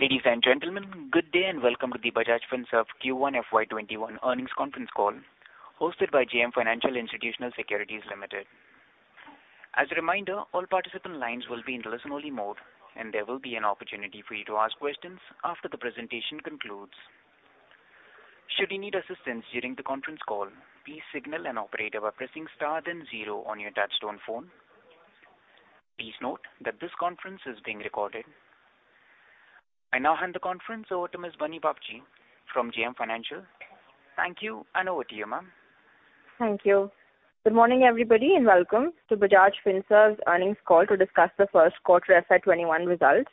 Ladies and gentlemen, good day and welcome to the Bajaj Finserv Q1 FY 2021 earnings conference call hosted by JM Financial Institutional Securities Limited. As a reminder, all participant lines will be in listen-only mode, and there will be an opportunity for you to ask questions after the presentation concludes. Should you need assistance during the conference call, please signal an operator by pressing star then zero on your touch-tone phone. Please note that this conference is being recorded. I now hand the conference over to Ms. Bunny Babjee from JM Financial. Thank you, and over to you, ma'am. Thank you. Good morning, everybody, and welcome to Bajaj Finserv's earnings call to discuss the first quarter FY 2021 results.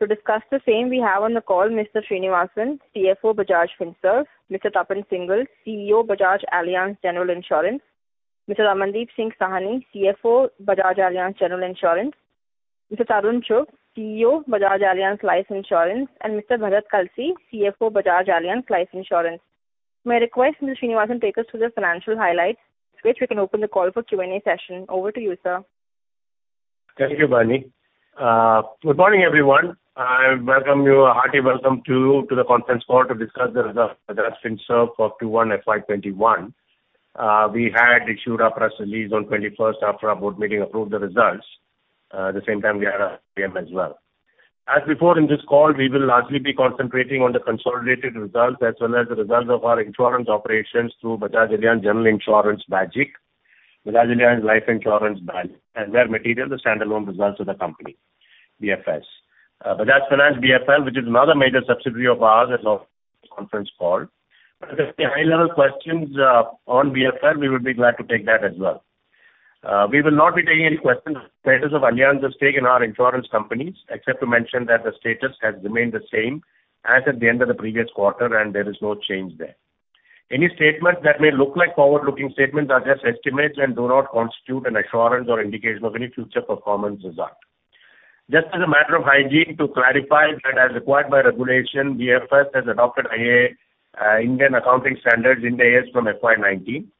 To discuss the same, we have on the call Mr. Sreenivasan, CFO, Bajaj Finserv, Mr. Tapan Singhel, CEO, Bajaj Allianz General Insurance, Mr. Ramandeep Singh Sahni, CFO, Bajaj Allianz General Insurance, Mr. Tarun Chugh, CEO, Bajaj Allianz Life Insurance, and Mr. Bharat Kalsi, CFO, Bajaj Allianz Life Insurance. May I request Mr. Sreenivasan take us through the financial highlights after which we can open the call for Q&A session. Over to you, sir. Thank you, Bunny. Good morning, everyone. A hearty welcome to you to the conference call to discuss the results of Bajaj Finserv for Q1 FY 2021. We had issued a press release on 21st after our board meeting approved the results. At the same time, we had our as well. As before in this call, we will largely be concentrating on the consolidated results as well as the results of our insurance operations through Bajaj Allianz General Insurance, BAGIC, Bajaj Allianz Life Insurance, BALIC, and where material, the standalone results of the company, BFS. Bajaj Finance, BFL, which is another major subsidiary of ours and on the conference call. If there's any high-level questions on BFL, we would be glad to take that as well. We will not be taking any questions on the status of Allianz's stake in our insurance companies, except to mention that the status has remained the same as at the end of the previous quarter. There is no change there. Any statements that may look like forward-looking statements are just estimates and do not constitute an assurance or indication of any future performance result. Just as a matter of hygiene to clarify that as required by regulation, BFS has adopted Indian Accounting Standards, Ind AS, from FY 2019.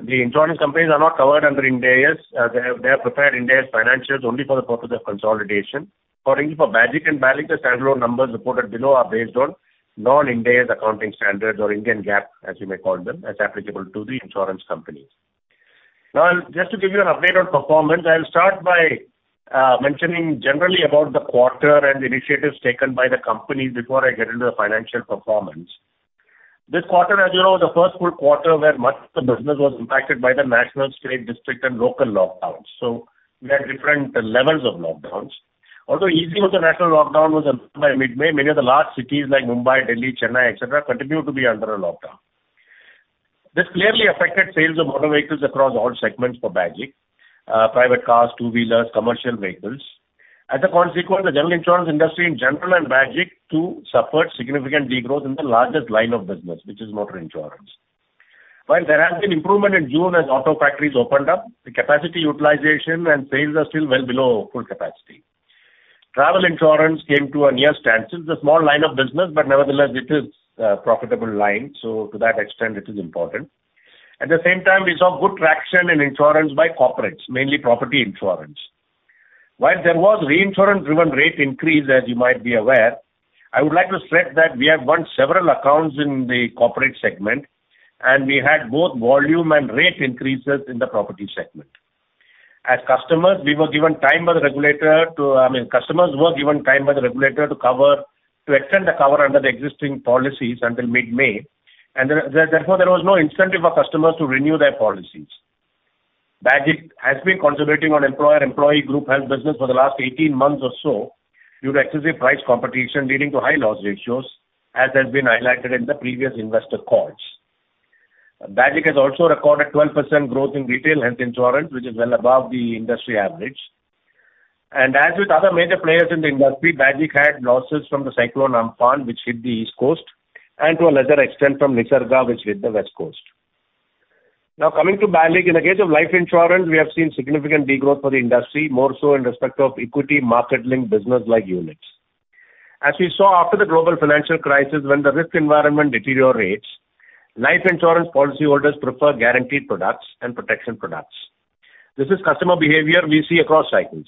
The insurance companies are not covered under Ind AS. They have prepared Ind AS financials only for the purpose of consolidation. For BAGIC and BALIC, the standalone numbers reported below are based on non-Ind AS accounting standards or Indian GAAP, as you may call them, as applicable to the insurance companies. Just to give you an update on performance, I'll start by mentioning generally about the quarter and initiatives taken by the company before I get into the financial performance. This quarter, as you know, was the first full quarter where much of the business was impacted by the national, state, district, and local lockdowns. We had different levels of lockdowns. Although easing of the national lockdown was allowed by mid-May, many of the large cities like Mumbai, Delhi, Chennai, et cetera, continued to be under a lockdown. This clearly affected sales of motor vehicles across all segments for BAGIC. Private cars, two-wheelers, commercial vehicles. As a consequence, the general insurance industry in general and BAGIC too suffered significant degrowth in the largest line of business, which is motor insurance. There has been improvement in June as auto factories opened up, the capacity utilization and sales are still well below full capacity. Travel insurance came to a near standstill. It's a small line of business, but nevertheless, it is a profitable line, so to that extent, it is important. At the same time, we saw good traction in insurance by corporates, mainly property insurance. There was reinsurance-driven rate increase, as you might be aware, I would like to stress that we have won several accounts in the corporate segment, and we had both volume and rate increases in the property segment. Customers were given time by the regulator to extend the cover under the existing policies until mid-May, therefore, there was no incentive for customers to renew their policies. BAGIC has been concentrating on employer-employee group health business for the last 18 months or so due to excessive price competition leading to high loss ratios, as has been highlighted in the previous investor calls. BAGIC has also recorded 12% growth in retail health insurance, which is well above the industry average. As with other major players in the industry, BAGIC had losses from the Cyclone Amphan, which hit the East Coast, and to a lesser extent from Nisarga, which hit the West Coast. Coming to BALIC. In the case of life insurance, we have seen significant degrowth for the industry, more so in respect of equity market-linked business like units. As we saw after the global financial crisis when the risk environment deteriorates, life insurance policyholders prefer guaranteed products and protection products. This is customer behavior we see across cycles.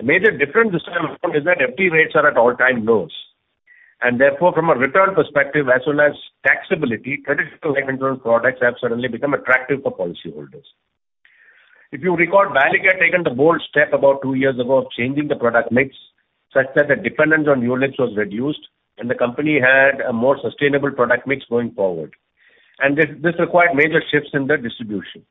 The major difference this time around is that FD rates are at all-time lows, and therefore, from a return perspective, as well as taxability, traditional life insurance products have suddenly become attractive for policyholders. If you recall, BALIC had taken the bold step about two years ago of changing the product mix such that the dependence on units was reduced and the company had a more sustainable product mix going forward. This required major shifts in the distribution.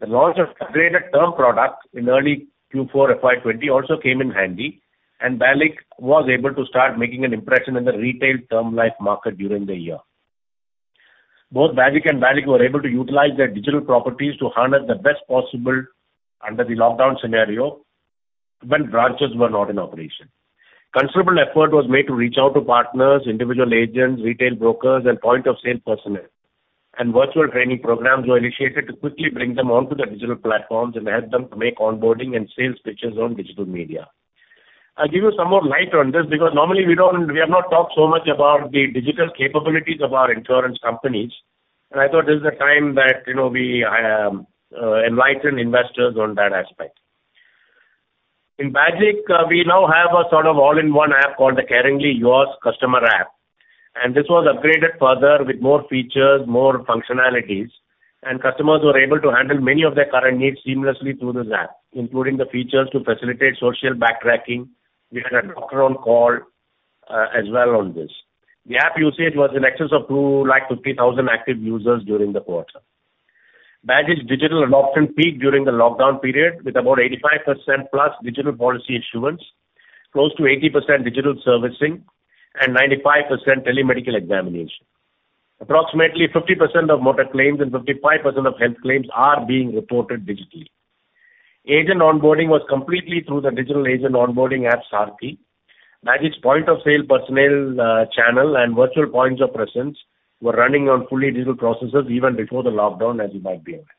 The launch of upgraded term products in early Q4 FY 2020 also came in handy, and BALIC was able to start making an impression in the retail term life market during the year. Both BAGIC and BALIC were able to utilize their digital properties to harness the best possible under the lockdown scenario when branches were not in operation. Considerable effort was made to reach out to partners, individual agents, retail brokers, and point-of-sale personnel. Virtual training programs were initiated to quickly bring them onto the digital platforms and help them make onboarding and sales pitches on digital media. I'll give you some more light on this because normally we have not talked so much about the digital capabilities of our insurance companies. I thought this is the time that we enlighten investors on that aspect. In BAGIC, we now have a sort of all-in-one app called the Caringly Yours customer app, this was upgraded further with more features, more functionalities, and customers were able to handle many of their current needs seamlessly through this app, including the features to facilitate social backtracking. We had a doctor on call as well on this. The app usage was in excess of 250,000 active users during the quarter. BAGIC digital adoption peaked during the lockdown period with about 85%+ digital policy issuance, close to 80% digital servicing, and 95% telemedical examination. Approximately 50% of motor claims and 55% of health claims are being reported digitally. Agent onboarding was completely through the digital agent onboarding app, Saarthi. BAGIC point of sale personnel channel and virtual points of presence were running on fully digital processes even before the lockdown, as you might be aware.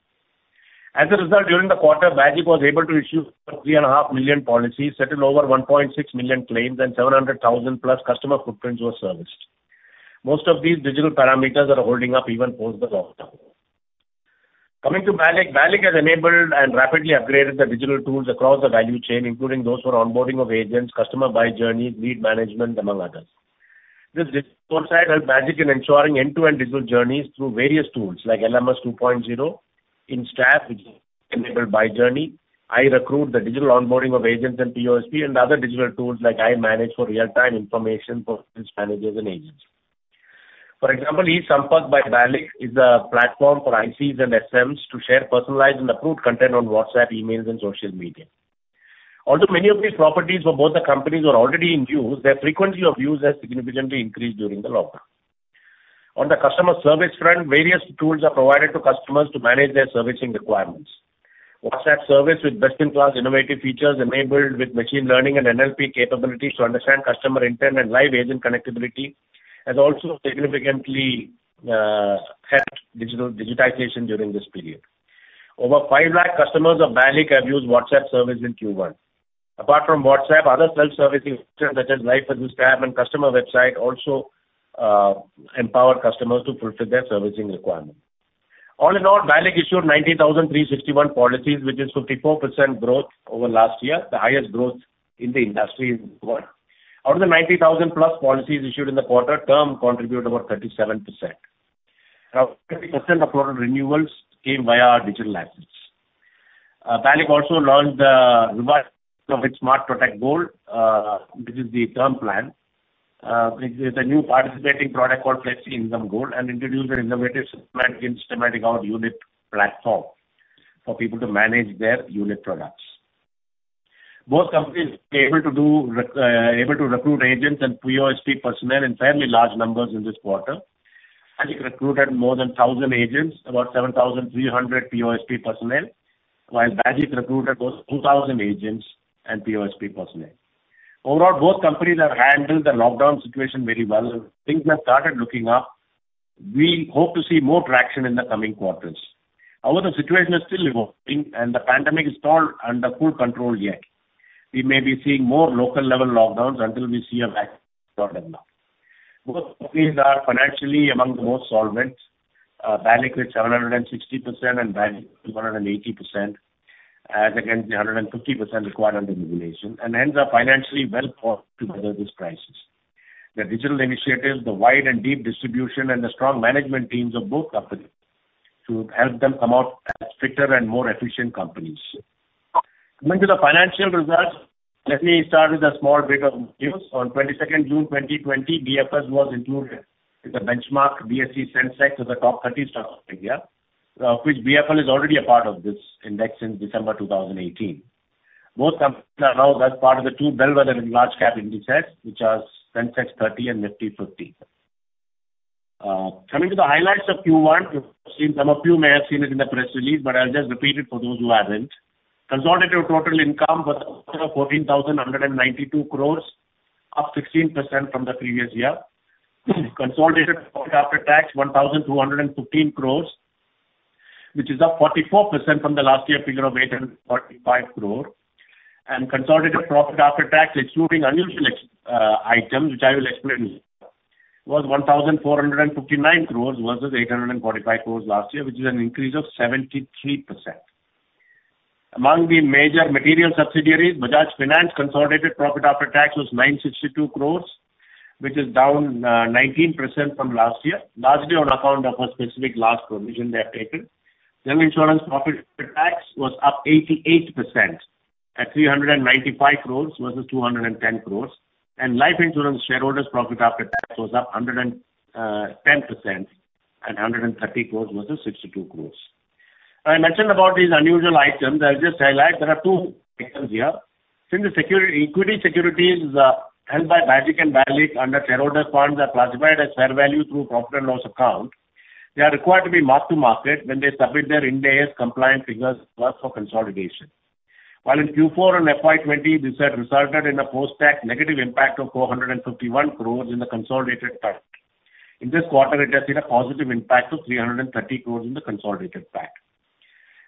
During the quarter, BAGIC was able to issue over 3.5 million policies, settle over 1.6 million claims, and 700,000+ customer footprints were serviced. Most of these digital parameters are holding up even post the lockdown. Coming to BALIC. BALIC has enabled and rapidly upgraded the digital tools across the value chain, including those for onboarding of agents, customer buy journeys, lead management, among others. This resource side helps BAGIC in ensuring end-to-end digital journeys through various tools like LMS 2.0, Instaff, which is enabled by Journey, iRecruit, the digital onboarding of agents and POSP, and other digital tools like iManage for real-time information for business managers and agents. For example, E-Sampark by BALIC is a platform for ICs and SMs to share personalized and approved content on WhatsApp, emails, and social media. Although many of these properties for both the companies were already in use, their frequency of use has significantly increased during the lockdown. On the customer service front, various tools are provided to customers to manage their servicing requirements. WhatsApp service with best-in-class innovative features enabled with machine learning and NLP capabilities to understand customer intent and live agent connectivity has also significantly helped digitalization during this period. Over 5 lakh customers of BALIC have used WhatsApp service in Q1. Apart from WhatsApp, other self-service features such as Life Assist and customer website also empower customers to fulfill their servicing requirements. All in all, BALIC issued 90,361 policies, which is 54% growth over last year, the highest growth in the industry. Out of the 90,000 plus policies issued in the quarter, term contributed about 37%. 50% of total renewals came via our digital apps. BALIC also launched the revised of its Smart Protect Goal, which is the term plan. It is a new participating product called Flex Income Goal and introduced an innovative systematic in systematic out ULIP platform for people to manage their ULIP products. Both companies were able to recruit agents and POSP personnel in fairly large numbers in this quarter. BALIC recruited more than 1,000 agents, about 7,300 POSP personnel, while BAGIC recruited those 2,000 agents and POSP personnel. Overall, both companies have handled the lockdown situation very well. Things have started looking up. We hope to see more traction in the coming quarters. However, the situation is still evolving, and the pandemic is not under full control yet. We may be seeing more local-level lockdowns until we see a vaccine rolled out. Both companies are financially among the most solvent, BALIC with 760% and BAGIC with 180%, as against the 150% required under regulation, and hence are financially well-poised to weather this crisis. The digital initiatives, the wide and deep distribution, and the strong management teams of both companies to help them come out as fitter and more efficient companies. Coming to the financial results. Let me start with a small bit of news. On 22nd June 2020, BFS was included in the benchmark BSE SENSEX of the top 30 stocks in India, of which BFL is already a part of this index since December 2018. Both companies are now part of the two bellwether and large cap indices, which are Sensex 30 and NIFTY 50. Coming to the highlights of Q1, some of you may have seen it in the press release, but I'll just repeat it for those who haven't. Consolidated total income was 14,192 crore, up 16% from the previous year. Consolidated profit after tax 1,215 crore, which is up 44% from the last year figure of 845 crore. Consolidated profit after tax, excluding unusual items, which I will explain in a bit, was 1,459 crore versus 845 crore last year, which is an increase of 73%. Among the major material subsidiaries, Bajaj Finance consolidated profit after tax was 962 crores, which is down 19% from last year, largely on account of a specific loss provision they have taken. Insurance profit after tax was up 88% at 395 crores versus 210 crores. Life Insurance shareholders' profit after tax was up 110% at 130 crores versus 62 crores. I mentioned about these unusual items. I will just highlight there are two items here. Since the equity securities held by BAGIC and BALIC under shareholders' funds are classified as fair value through profit and loss account, they are required to be mark-to-market when they submit their Ind AS compliant figures for consolidation. In Q4 and FY 2020, this had resulted in a post-tax negative impact of 451 crores in the consolidated PAT. In this quarter, it has seen a positive impact of 330 crore in the consolidated PAT.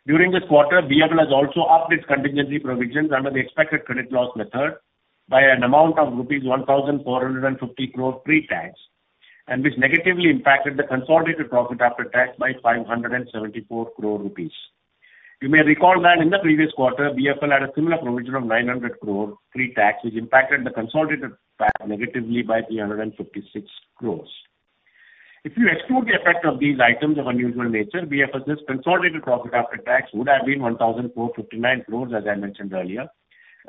During this quarter, BFL has also upped its contingency provisions under the expected credit loss method by an amount of rupees 1,450 crore pre-tax, which negatively impacted the consolidated profit after tax by 574 crore rupees. You may recall that in the previous quarter, BFL had a similar provision of 900 crore pre-tax, which impacted the consolidated PAT negatively by 356 crore. If you exclude the effect of these items of unusual nature, BFL's consolidated profit after tax would have been 1,459 crore, as I mentioned earlier,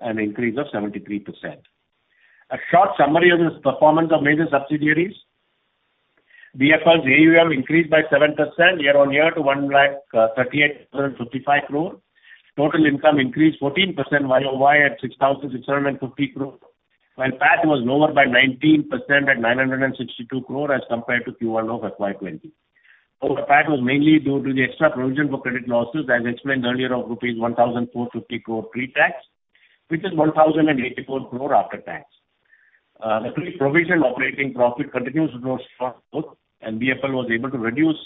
an increase of 73%. A short summary of this performance of major subsidiaries. BFL's AUM increased by 7% year-on-year to 138,055 crore. Total income increased 14% YOY at 6,650 crore. While PAT was lower by 19% at 962 crore as compared to Q1 of FY 2020. Lower PAT was mainly due to the extra provision for credit losses, as explained earlier, of rupees 1,450 crore pre-tax, which is 1,084 crore after tax. The pre-provision operating profit continues to show strong growth. BFL was able to reduce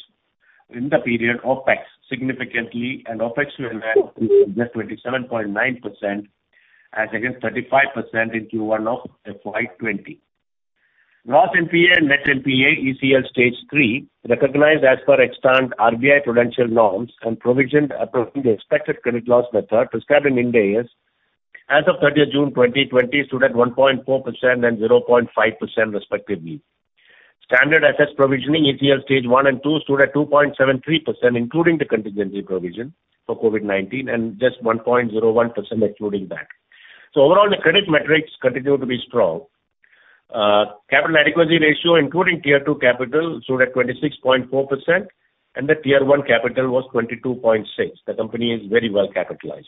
in the period OPEX significantly. OPEX went down to just 27.9% as against 35% in Q1 of FY 2020. Gross NPA and Net NPA ECL Stage three recognized as per extant RBI prudential norms and provisioned approaching the expected credit loss method prescribed in Ind AS as of 30th June 2020 stood at 1.4% and 0.5% respectively. Standard assets provisioning ECL Stage one and two stood at 2.73%, including the contingency provision for COVID-19 and just 1.01% excluding that. Overall, the credit metrics continue to be strong. Capital adequacy ratio, including Tier two capital, stood at 26.4%. The Tier one capital was 22.6%. The company is very well capitalized.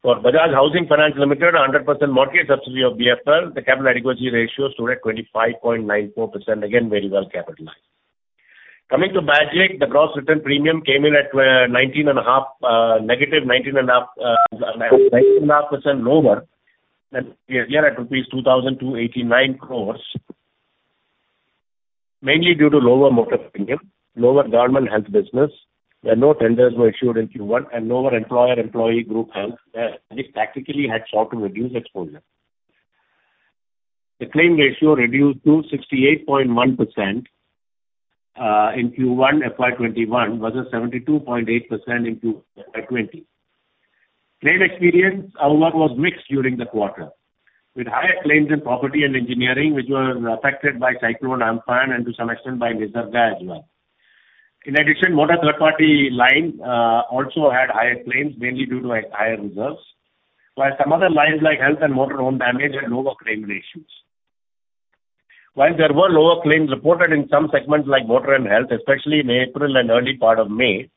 For Bajaj Housing Finance Limited, 100% mortgage subsidiary of BFL, the capital adequacy ratio stood at 25.94%, again, very well capitalized. Coming to BAGIC, the gross written premium came in at negative 19.5% lower than year at rupees 2,289 crore, mainly due to lower motor premium, lower government health business, where no tenders were issued in Q1 and lower employer employee group health, which practically had sought to reduce exposure. The claim ratio reduced to 68.1% in Q1 FY 2021 versus 72.8% in Q4 2020. Claim experience, however, was mixed during the quarter, with higher claims in property and engineering, which were affected by Cyclone Amphan and to some extent by Nisarga as well. In addition, motor third party line also had higher claims, mainly due to higher reserves, while some other lines like health and motor own damage had lower claim ratios. While there were lower claims reported in some segments like motor and health, especially in April and early part of May,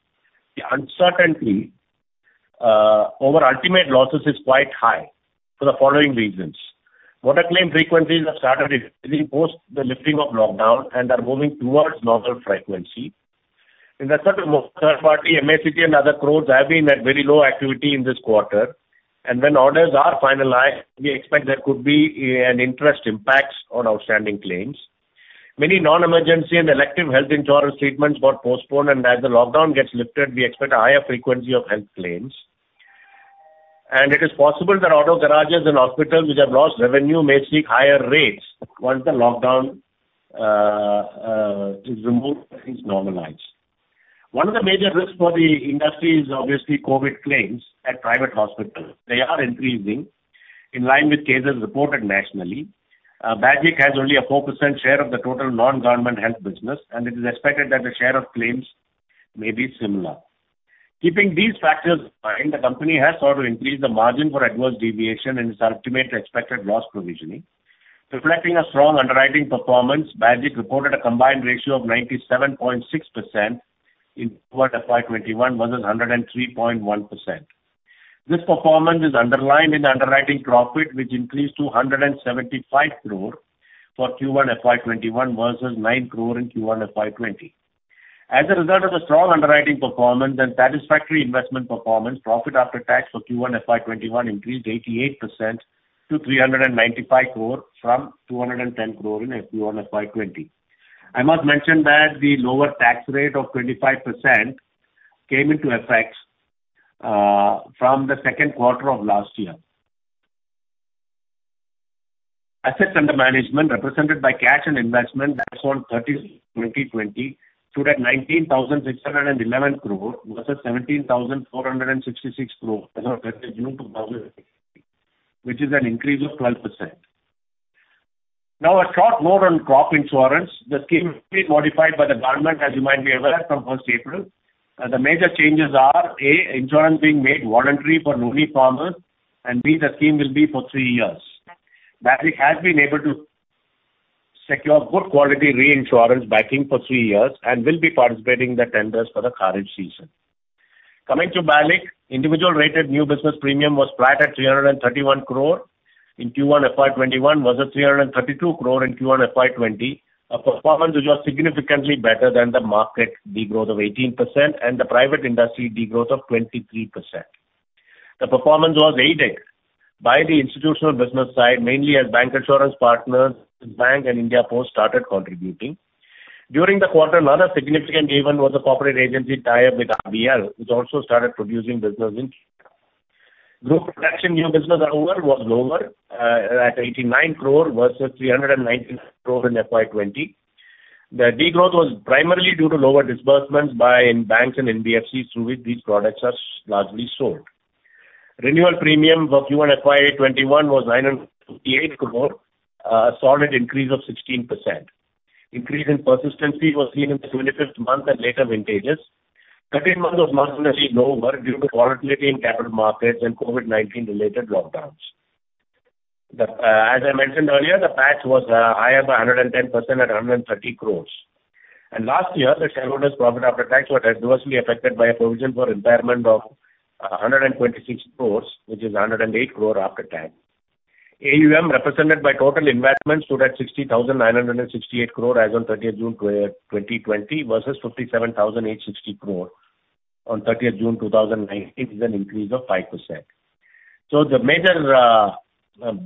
the uncertainty over ultimate losses is quite high for the following reasons. Motor claim frequencies have started increasing post the lifting of lockdown and are moving towards normal frequency. In the segment of third party, MACT and other crores have been at very low activity in this quarter. When orders are finalized, we expect there could be an interest impacts on outstanding claims. Many non-emergency and elective health insurance treatments got postponed, and as the lockdown gets lifted, we expect a higher frequency of health claims. It is possible that auto garages and hospitals which have lost revenue may seek higher rates once the lockdown is removed and things normalize. One of the major risks for the industry is obviously COVID claims at private hospitals. They are increasing in line with cases reported nationally. BAGIC has only a 4% share of the total non-government health business, and it is expected that the share of claims may be similar. Keeping these factors in mind, the company has sought to increase the margin for adverse deviation in its ultimate expected loss provisioning. Reflecting a strong underwriting performance, BAGIC reported a combined ratio of 97.6% in Q1 FY 2021 versus 103.1%. This performance is underlined in the underwriting profit, which increased to 175 crore for Q1 FY 2021 versus 9 crore in Q1 FY 2020. As a result of the strong underwriting performance and satisfactory investment performance, profit after tax for Q1 FY 2021 increased 88% to 395 crore from 210 crore in Q1 FY 2020. I must mention that the lower tax rate of 25% came into effect from the second quarter of last year. Assets under management represented by cash and investment as on 30th June 2020 stood at 19,611 crore versus 17,466 crore as of 30th June 2019, which is an increase of 12%. Now a short note on crop insurance. The scheme was modified by the government, as you might be aware, from first April. The major changes are, A, insurance being made voluntary for only farmers, and B, the scheme will be for three years. BAGIC has been able to secure good quality reinsurance backing for three years and will be participating in the tenders for the kharif season. Coming to BALIC's, individual rated new business premium was flat at 331 crore in Q1 FY 2021 versus 332 crore in Q1 FY 2020, a performance which was significantly better than the market degrowth of 18% and the private industry degrowth of 23%. The performance was aided by the institutional business side, mainly as bank insurance partners, bank and India Post started contributing. During the quarter, another significant event was a corporate agency tie-up with RBL, which also started producing business in Q1. Group protection new business overall was lower at 89 crore versus 399 crore in FY 2020. The degrowth was primarily due to lower disbursements by banks and NBFCs through which these products are largely sold. Renewal premium for Q1 FY 2021 was 958 crore, a solid increase of 16%. Increase in persistency was seen in the 25th month and later vintages. 13 month was marginally lower due to volatility in capital markets and COVID-19 related lockdowns. As I mentioned earlier, the PAT was higher by 110% at 130 crore. Last year, the shareholders' profit after tax was adversely affected by a provision for impairment of 126 crore, which is 108 crore after tax. AUM represented by total investments stood at 60,968 crore as on 30th June 2020 versus 57,860 crore on 30th June 2019. It is an increase of 5%. The major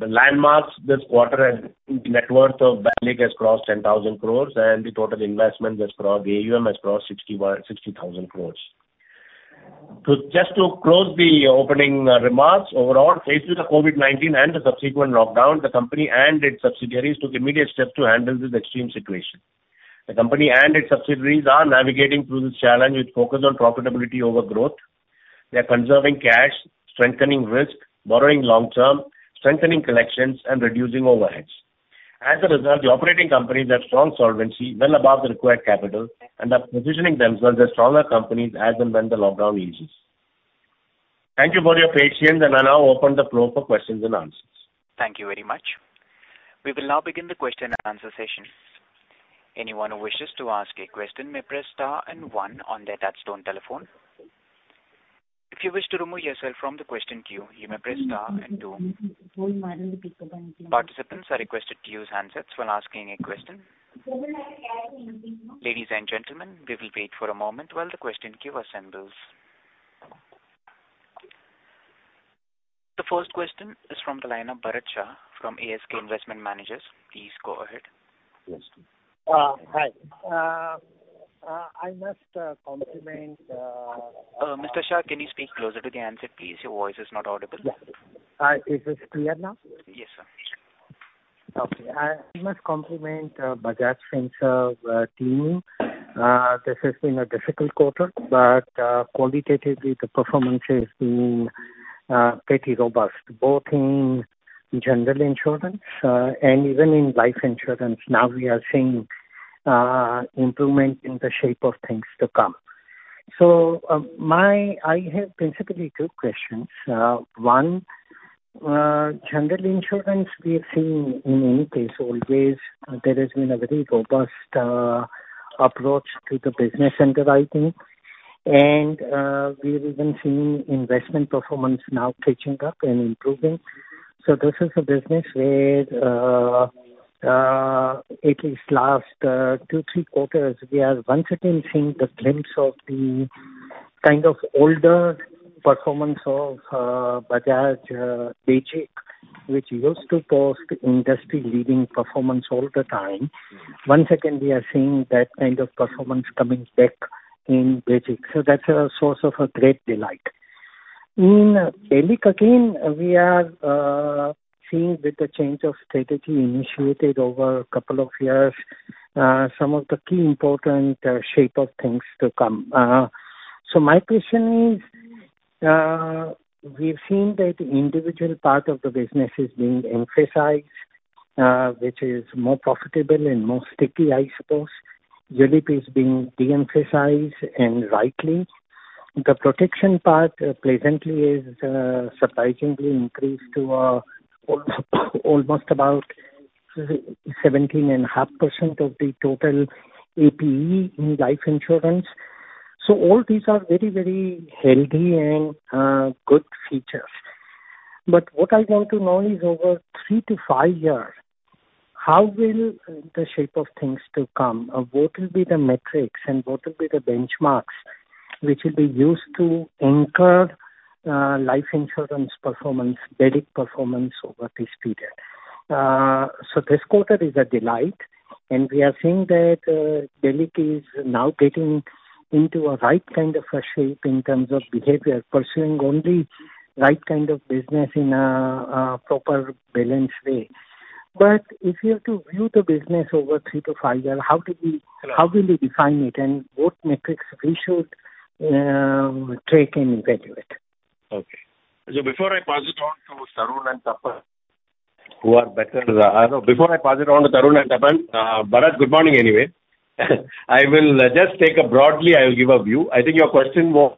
landmarks this quarter has been the net worth of Bajaj has crossed 10,000 crore and the total investment, the AUM, has crossed 60,000 crore. Just to close the opening remarks, overall, facing the COVID-19 and the subsequent lockdown, the company and its subsidiaries took immediate steps to handle this extreme situation. The company and its subsidiaries are navigating through this challenge with focus on profitability over growth. They're conserving cash, strengthening risk, borrowing long-term, strengthening collections, and reducing overheads. As a result, the operating companies have strong solvency well above the required capital and are positioning themselves as stronger companies as and when the lockdown eases. Thank you for your patience. I now open the floor for questions and answers. Thank you very much. We will now begin the question and answer session. Anyone who wishes to ask a question may press star one on their touch-tone telephone. If you wish to remove yourself from the question queue, you may press star two. Participants are requested to use handsets when asking a question. Ladies and gentlemen, we will wait for a moment while the question queue assembles. The first question is from the line of Bharat Shah from ASK Investment Managers. Please go ahead. Yes. Hi. Mr. Shah, can you speak closer to the handset, please? Your voice is not audible. Yes. Is this clear now? Yes, sir. Okay. I must compliment Bajaj Finserv team. This has been a difficult quarter, but qualitatively, the performance has been pretty robust, both in general insurance and even in life insurance. We are seeing improvement in the shape of things to come. I have principally two questions. One, general insurance we have seen in any case always, there has been a very robust approach to the business underwriting, and we've even seen investment performance now catching up and improving. This is a business where at least last two, three quarters, we are once again seeing the glimpse of the kind of older performance of Bajaj, which used to post industry-leading performance all the time. Once again, we are seeing that kind of performance coming back in. That's a source of a great delight. In Bajaj again, we are seeing with the change of strategy initiated over a couple of years, some of the key important shape of things to come. My question is, we've seen that individual part of the business is being emphasized, which is more profitable and more sticky, I suppose. ULIP is being de-emphasized, and rightly. The protection part presently is surprisingly increased to almost about 17.5% of the total APE in life insurance. All these are very healthy and good features. What I want to know is over three to five years, how will the shape of things to come, or what will be the metrics and what will be the benchmarks which will be used to anchor life insurance performance, Bajaj performance over this period? This quarter is a delight, and we are seeing that Bajaj is now getting into a right kind of a shape in terms of behavior, pursuing only right kind of business in a proper balanced way. If you have to view the business over three to five years, how will you define it and what metrics we should take and evaluate? Okay. Before I pass it on to Tarun and Tapan, No. Before I pass it on to Tarun and Tapan, Bharat, good morning, anyway. I will just take a broadly, I will give a view. I think your question was,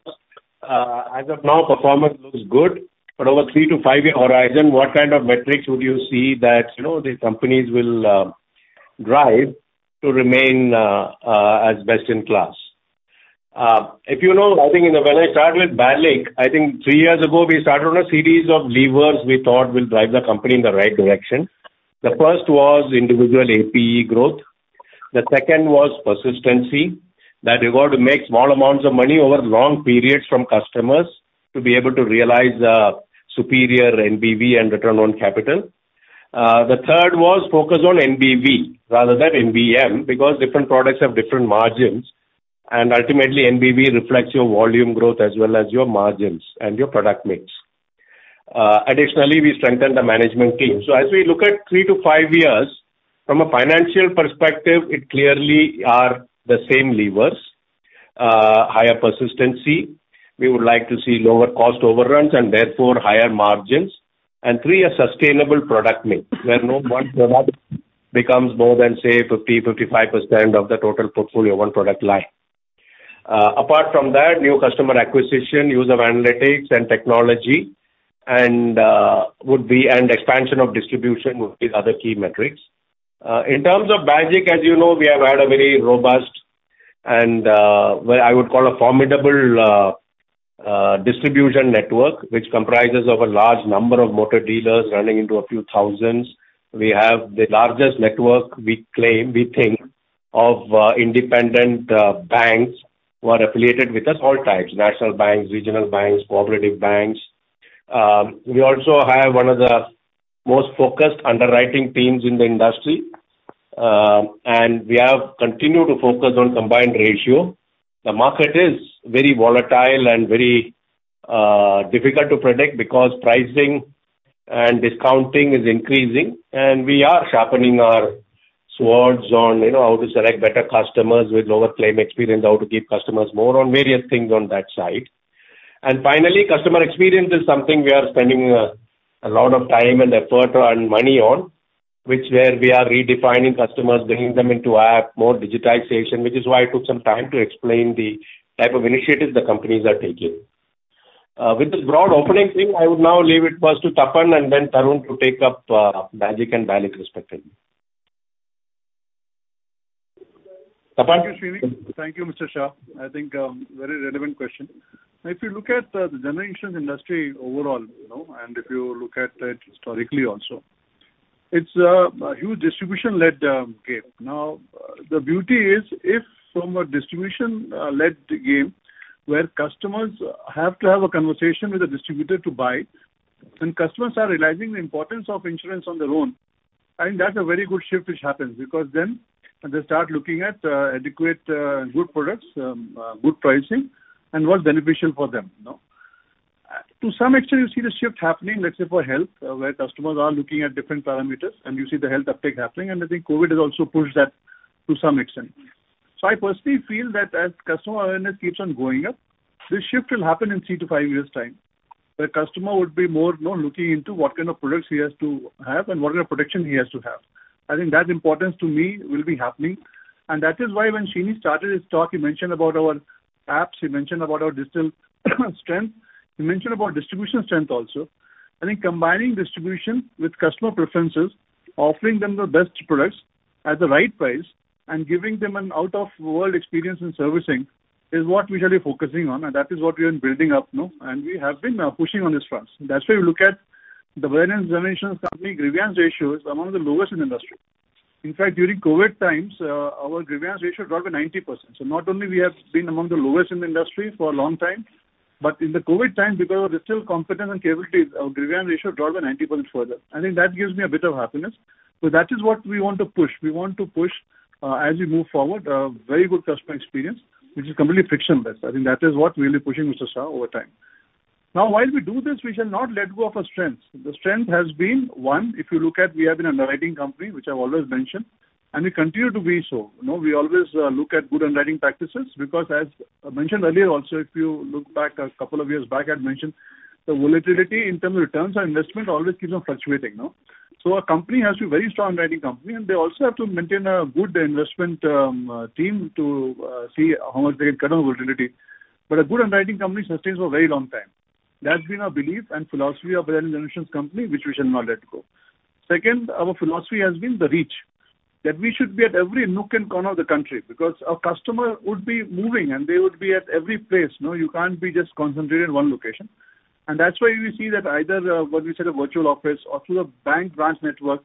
as of now, performance looks good, but over three to five-year horizon, what kind of metrics would you see that the companies will drive to remain as best in class? If you know, I think when I started with Bajaj, I think three years ago, we started on a series of levers we thought will drive the company in the right direction. The first was individual APE growth. The second was persistency. That we were to make small amounts of money over long periods from customers to be able to realize superior NBV and return on capital. The third was focus on NBV rather than NBM, because different products have different margins, and ultimately NBV reflects your volume growth as well as your margins and your product mix. Additionally, we strengthened the management team. As we look at three to five years, from a financial perspective, it clearly are the same levers. Higher persistency. We would like to see lower cost overruns and therefore higher margins. Three, a sustainable product mix where no one product becomes more than, say, 50%, 55% of the total portfolio of one product line. Apart from that, new customer acquisition, use of analytics and technology, and expansion of distribution would be the other key metrics. In terms of BAGIC, as you know, we have had a very robust and what I would call a formidable distribution network, which comprises of a large number of motor dealers running into a few thousands. We have the largest network, we think, of independent banks who are affiliated with us, all types, national banks, regional banks, cooperative banks. We also have one of the most focused underwriting teams in the industry, and we have continued to focus on combined ratio. The market is very volatile and very difficult to predict because pricing and discounting is increasing, and we are sharpening our swords on how to select better customers with lower claim experience, how to give customers more on various things on that side. Finally, customer experience is something we are spending a lot of time and effort and money on, which where we are redefining customers, bringing them into app, more digitization, which is why I took some time to explain the type of initiatives the companies are taking. With this broad opening thing, I would now leave it first to Tapan and then Tarun to take up BAGIC and BALIC respectively. Tapan. Thank you, Mr. Shah. I think very relevant question. If you look at the general insurance industry overall, and if you look at it historically also, it's a huge distribution-led game. The beauty is if from a distribution-led game where customers have to have a conversation with a distributor to buy and customers are realizing the importance of insurance on their own, I think that's a very good shift which happens because then they start looking at adequate good products, good pricing, and what's beneficial for them. To some extent, you see the shift happening, let's say for health, where customers are looking at different parameters and you see the health uptake happening. I think COVID has also pushed that to some extent. I personally feel that as customer awareness keeps on going up, this shift will happen in three to five years' time, where customer would be more looking into what kind of products he has to have and what kind of protection he has to have. I think that importance to me will be happening. That is why when Sreeni started his talk, he mentioned about our apps, he mentioned about our digital strength, he mentioned about distribution strength also. I think combining distribution with customer preferences, offering them the best products at the right price, and giving them an out-of-world experience in servicing is what we are really focusing on, and that is what we are building up. We have been pushing on this front. That's why you look at the variance generation company grievance ratio is among the lowest in the industry. In fact, during COVID times, our grievance ratio dropped by 90%. Not only we have been among the lowest in the industry for a long time, but in the COVID time, because of the still competence and capabilities, our grievance ratio dropped by 90% further. I think that gives me a bit of happiness. That is what we want to push. We want to push as we move forward, very good customer experience, which is completely frictionless. I think that is what we'll be pushing, Mr. Shah, over time. While we do this, we shall not let go of our strengths. The strength has been, one, if you look at we have been underwriting company, which I've always mentioned, and we continue to be so. We always look at good underwriting practices because as I mentioned earlier also, if you look back a couple of years back, I'd mentioned the volatility in terms of returns on investment always keeps on fluctuating. Our company has to be very strong underwriting company, and they also have to maintain a good investment team to see how much they can cut on volatility. A good underwriting company sustains for a very long time. That's been our belief and philosophy of variety generations company, which we shall not let go. Second, our philosophy has been the reach. That we should be at every nook and corner of the country because our customer would be moving and they would be at every place. You can't be just concentrated in one location. That's why we see that either what we said a virtual office or through the bank branch network,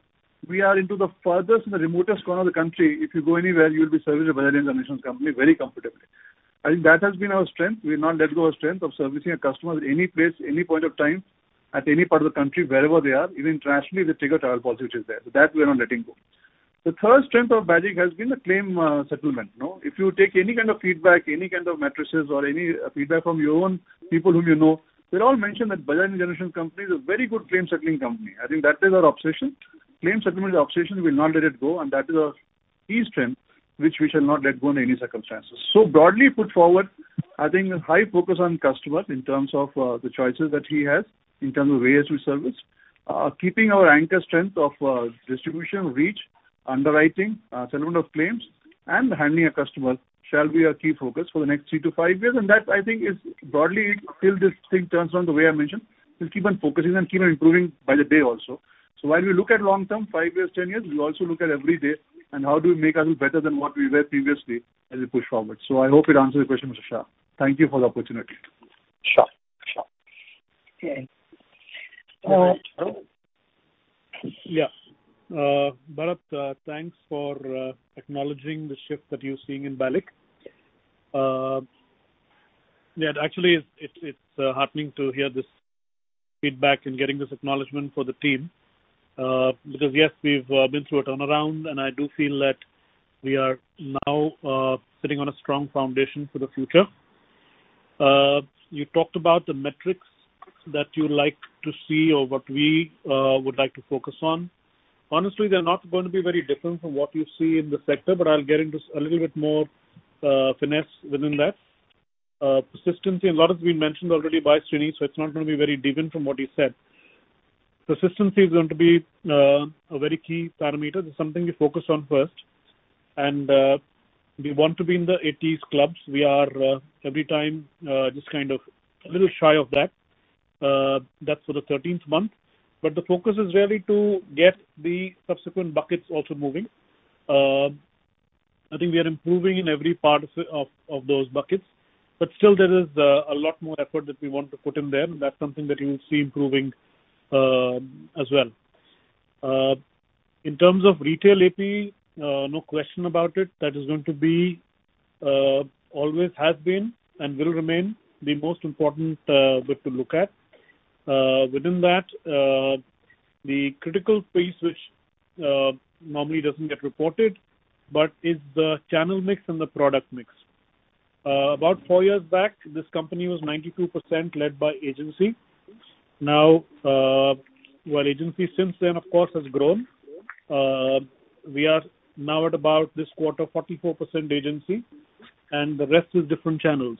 we are into the furthest and the remotest corner of the country. If you go anywhere, you'll be serviced by Bajaj Allianz General Insurance Company very comfortably. I think that has been our strength. We will not let go of strength of servicing a customer at any place, any point of time, at any part of the country, wherever they are, even internationally they trigger travel policy which is there. That we are not letting go. The third strength of BAGIC has been the claim settlement. If you take any kind of feedback, any kind of matrices or any feedback from your own people whom you know, they all mention that Bajaj Allianz General Insurance Company is a very good claim settling company. I think that is our obsession. Claim settlement obsession, we'll not let it go and that is our key strength which we shall not let go in any circumstances. Broadly put forward, I think a high focus on customer in terms of the choices that he has, in terms of ways we service, keeping our anchor strength of distribution, reach, underwriting, settlement of claims, and handling a customer shall be our key focus for the next three to five years and that I think is broadly till this thing turns around the way I mentioned. We'll keep on focusing and keep on improving by the day also. While we look at long-term, five years, 10 years, we also look at every day and how do we make ourselves better than what we were previously as we push forward. I hope it answers your question, Mr. Shah. Thank you for the opportunity. Sure Okay. Yeah. Bharat, thanks for acknowledging the shift that you're seeing in BALIC. Yeah, actually, it's heartening to hear this feedback and getting this acknowledgment for the team. Yes, we've been through a turnaround, and I do feel that we are now sitting on a strong foundation for the future. You talked about the metrics that you like to see or what we would like to focus on. Honestly, they're not going to be very different from what you see in the sector, but I'll get into a little bit more finesse within that. Persistence, a lot has been mentioned already by Sreeni, so it's not going to be very different from what he said. Persistence is going to be a very key parameter. That's something we focus on first, and we want to be in the 80s clubs. We are every time just kind of a little shy of that. That's for the 13th month. The focus is really to get the subsequent buckets also moving. I think we are improving in every part of those buckets. Still there is a lot more effort that we want to put in there, and that's something that you will see improving as well. In terms of retail APE, no question about it, that is going to be, always has been, and will remain the most important bit to look at. Within that, the critical piece, which normally doesn't get reported, but is the channel mix and the product mix. About four years back, this company was 92% led by agency. Now, while agency since then, of course, has grown. We are now at about this quarter, 44% agency, and the rest is different channels.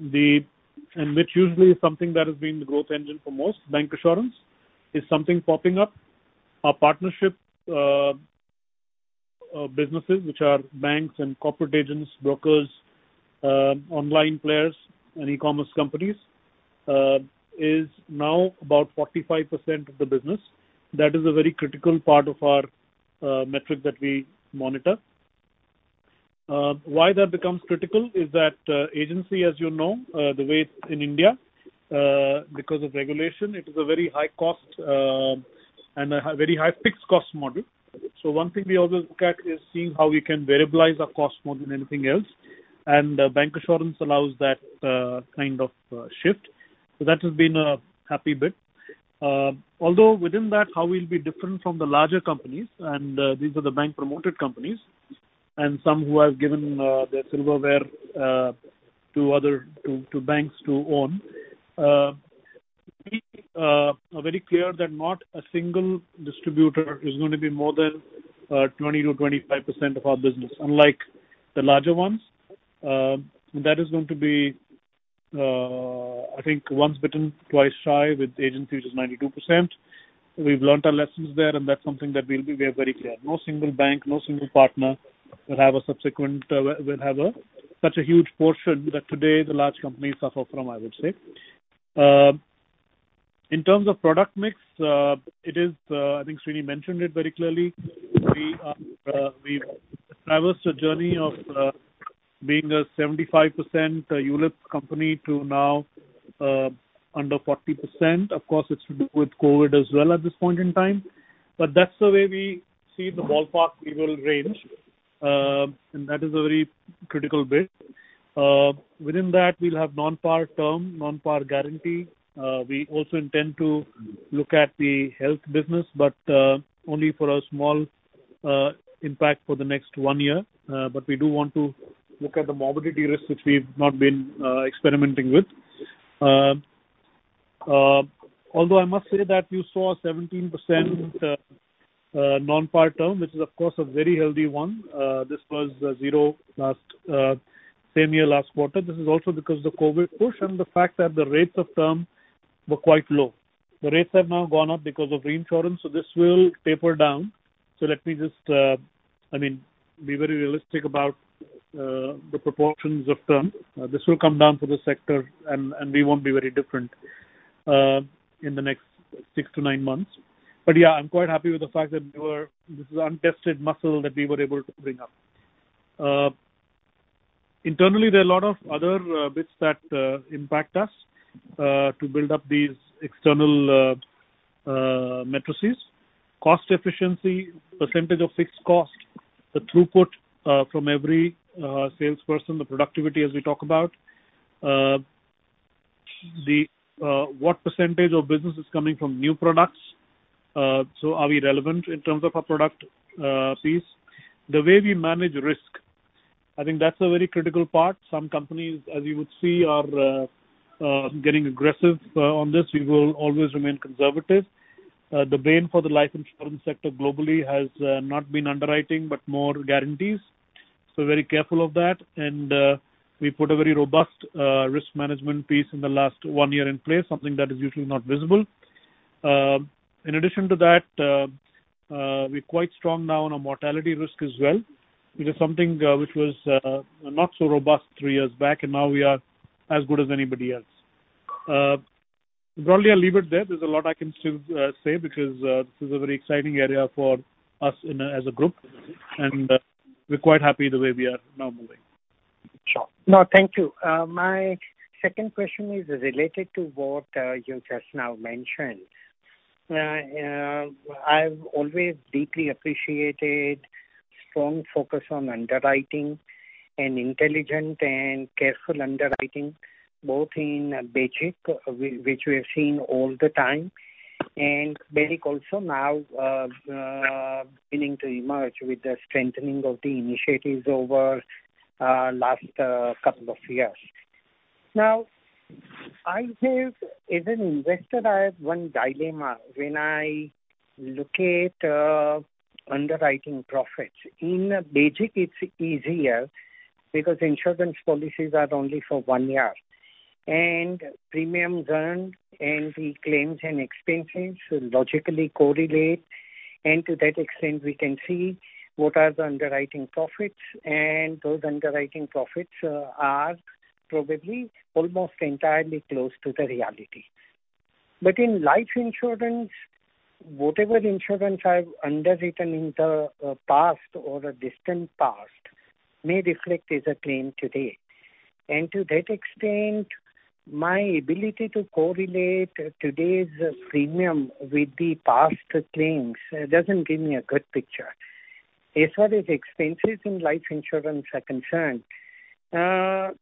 Which usually is something that has been the growth engine for most. Bank assurance is something popping up. Our partnership businesses, which are banks and corporate agents, brokers, online players, and e-commerce companies, is now about 45% of the business. That is a very critical part of our metric that we monitor. Why that becomes critical is that agency, as you know, the way it's in India because of regulation, it is a very high cost and a very high fixed cost model. One thing we always look at is seeing how we can variabilize our cost more than anything else, and bank assurance allows that kind of shift. That has been a happy bit. Within that, how we'll be different from the larger companies, and these are the bank-promoted companies and some who have given their silverware to banks to own. We are very clear that not a single distributor is going to be more than 20%-25% of our business, unlike the larger ones. That is going to be, I think, once bitten, twice shy with agency, which is 92%. We've learned our lessons there, that's something that we are very clear. No single bank, no single partner will have such a huge portion that today the large companies suffer from, I would say. In terms of product mix, I think Sreeni mentioned it very clearly. We've traversed a journey of being a 75% ULIP company to now under 40%. Of course, it's to do with COVID as well at this point in time. That's the way we see the ballpark we will range, and that is a very critical bit. Within that, we'll have non-par term, non-par guarantee. We also intend to look at the health business, only for a small impact for the next one year. We do want to look at the morbidity risk, which we've not been experimenting with. Although I must say that you saw 17% non-par term, which is, of course, a very healthy one. This was zero same year, last quarter. This is also because of the COVID push and the fact that the rates of term were quite low. The rates have now gone up because of reinsurance, so this will taper down. Let me just be very realistic about the proportions of term. This will come down for the sector, and we won't be very different in the next six to nine months. Yeah, I'm quite happy with the fact that this is untested muscle that we were able to bring up. Internally, there are a lot of other bits that impact us to build up these external matrices. Cost efficiency, % of fixed cost, the throughput from every salesperson, the productivity as we talk about. What % of business is coming from new products? Are we relevant in terms of our product piece? The way we manage risk. I think that's a very critical part. Some companies, as you would see, are getting aggressive on this. We will always remain conservative. The bane for the life insurance sector globally has not been underwriting, but more guarantees. Very careful of that, and we put a very robust risk management piece in the last one year in place, something that is usually not visible. In addition to that, we're quite strong now on our mortality risk as well, which is something which was not so robust three years back. Now we are as good as anybody else. Probably I'll leave it there. There's a lot I can still say, because this is a very exciting area for us as a group. We're quite happy the way we are now moving. Sure. No, thank you. My second question is related to what you just now mentioned. I've always deeply appreciated strong focus on underwriting and intelligent and careful underwriting, both in Bajaj, which we have seen all the time, and ICICI also now beginning to emerge with the strengthening of the initiatives over last couple of years. Now, as an investor, I have one dilemma when I look at underwriting profits. In Bajaj, it's easier because insurance policies are only for one year, and premium earned and the claims and expenses logically correlate. To that extent, we can see what are the underwriting profits, and those underwriting profits are probably almost entirely close to the reality. In life insurance, whatever insurance I've underwritten in the past or the distant past may reflect as a claim today. To that extent, my ability to correlate today's premium with the past claims doesn't give me a good picture. As far as expenses in life insurance are concerned,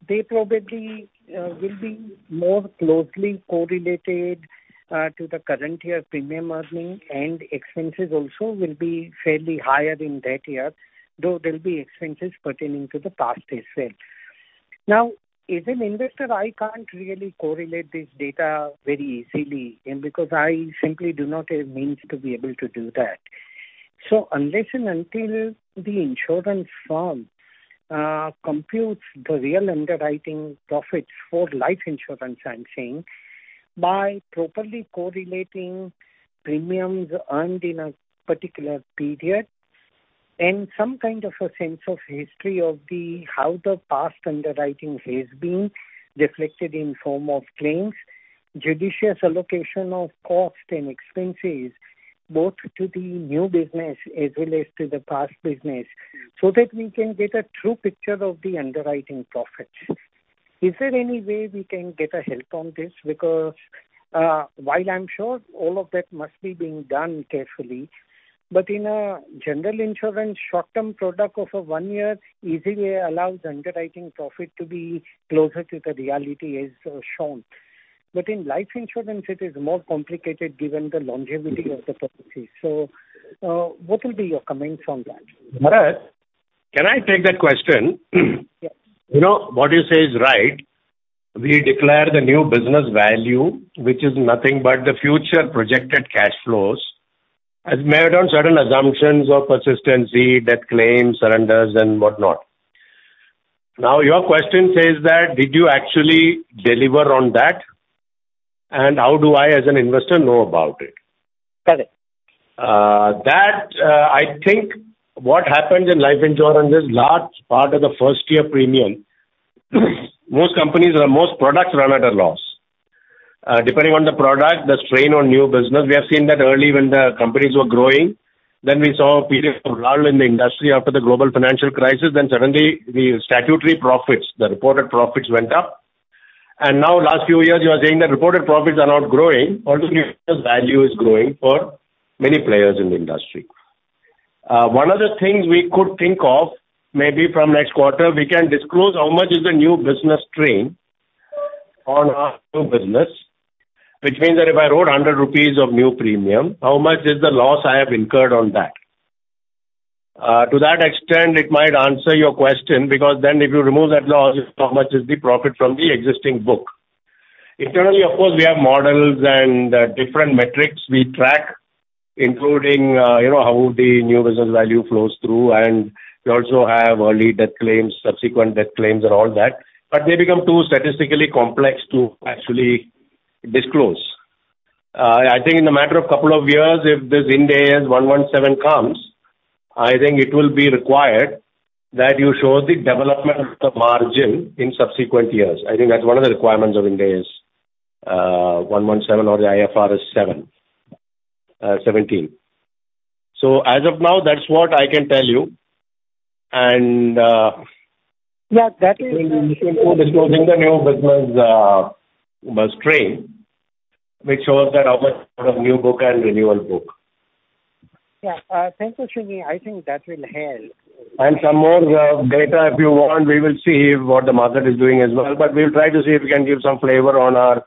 they probably will be more closely correlated to the current year premium earning and expenses also will be fairly higher in that year, though there'll be expenses pertaining to the past itself. As an investor, I can't really correlate this data very easily and because I simply do not have means to be able to do that. Unless and until the insurance firm computes the real underwriting profits for life insurance, I'm saying, by properly correlating premiums earned in a particular period and some kind of a sense of history of how the past underwriting has been reflected in form of claims, judicious allocation of cost and expenses, both to the new business as well as to the past business, so that we can get a true picture of the underwriting profits. Is there any way we can get a help on this? While I'm sure all of that must be being done carefully, but in a general insurance short-term product of a one year easily allows underwriting profit to be closer to the reality as shown. In life insurance, it is more complicated given the longevity of the policies. What will be your comments on that? Bharat, can I take that question? Yes. What you say is right. We declare the new business value, which is nothing but the future projected cash flows as made on certain assumptions of persistency, death claims, surrenders and whatnot. Your question says that did you actually deliver on that? How do I as an investor know about it? Correct. That, I think what happens in life insurance is large part of the first year premium, most companies or most products run at a loss, depending on the product, the strain on new business. We have seen that early when the companies were growing. We saw a period of lull in the industry after the global financial crisis. Suddenly the statutory profits, the reported profits went up. Now last few years, you are saying that reported profits are not growing, although new business value is growing for many players in the industry. One of the things we could think of maybe from next quarter, we can disclose how much is the new business strain on our new business, which means that if I wrote ₹100 of new premium, how much is the loss I have incurred on that? To that extent, it might answer your question, because then if you remove that loss, how much is the profit from the existing book. Internally, of course, we have models and different metrics we track, including how the new business value flows through. We also have early death claims, subsequent death claims and all that. They become too statistically complex to actually disclose. I think in a matter of couple of years, if this Ind AS 117 comes, I think it will be required that you show the development of the margin in subsequent years. I think that's one of the requirements of Ind AS 117 or the IFRS 17. As of now, that's what I can tell you. Yeah. We'll go disclosing the new business strain, which shows that how much out of new book and renewal book. Yeah. Thank you, Sreeni. I think that will help. Some more data if you want, we will see what the market is doing as well. We'll try to see if we can give some flavor on our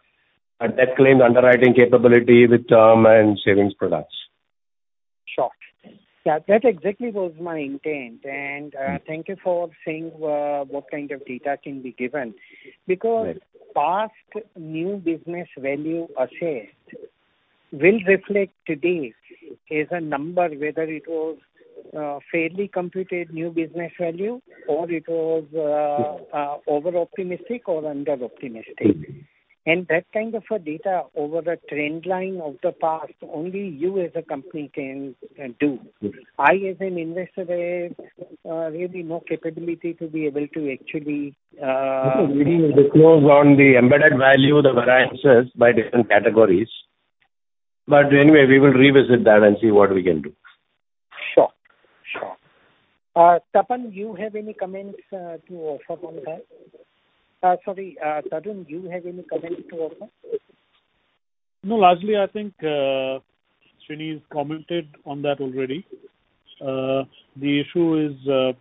death claims underwriting capability with term and savings products. Sure. Yeah. That exactly was my intent. Thank you for saying what kind of data can be given, because. Right Past new business value assessed will reflect today as a number, whether it was fairly computed new business value or it was over-optimistic or under-optimistic. That kind of a data over a trend line of the past, only you as a company can do. Good. I as an investor have really no capability to be able to actually- We disclose on the embedded value, the variances by different categories. Anyway, we will revisit that and see what we can do. Sure. Tapan, do you have any comments to offer on that? Sorry, Tarun, do you have any comments to offer? Largely, I think S. Sreenivasan's commented on that already. The issue is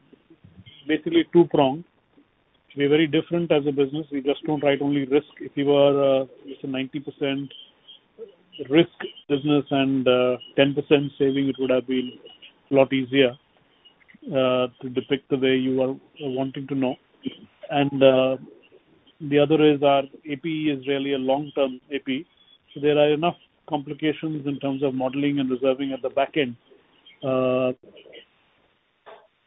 basically two-pronged. We're very different as a business. We just don't write only risk. If you are, let's say, 90% risk business and 10% saving, it would have been a lot easier to depict the way you are wanting to know. The other is our APE is really a long-term APE. There are enough complications in terms of modeling and reserving at the back end.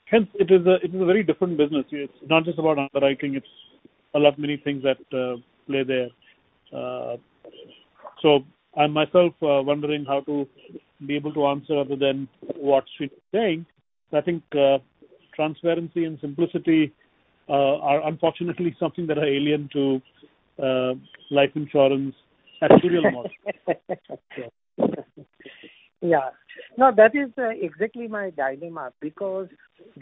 Hence, it is a very different business. It's not just about underwriting, it's a lot, many things that play there. I'm myself wondering how to be able to answer, other than what S. Sreenivasan is saying. I think transparency and simplicity are unfortunately something that are alien to life insurance actuarial models. No, that is exactly my dilemma, because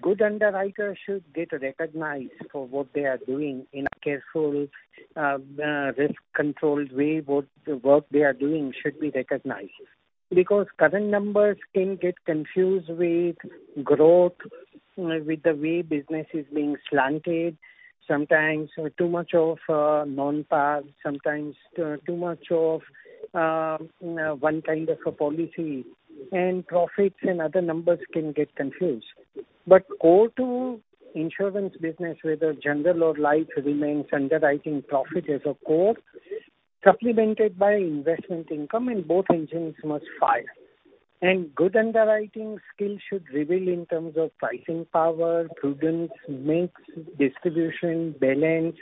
good underwriters should get recognized for what they are doing in a careful, risk-controlled way. What they are doing should be recognized. Current numbers can get confused with growth, with the way business is being slanted. Sometimes too much of non-par, sometimes too much of one kind of a policy, and profits and other numbers can get confused. Core to insurance business, whether general or life, remains underwriting profit as a core, supplemented by investment income, and both engines must fire. Good underwriting skills should reveal in terms of pricing power, prudence, mix, distribution, balance,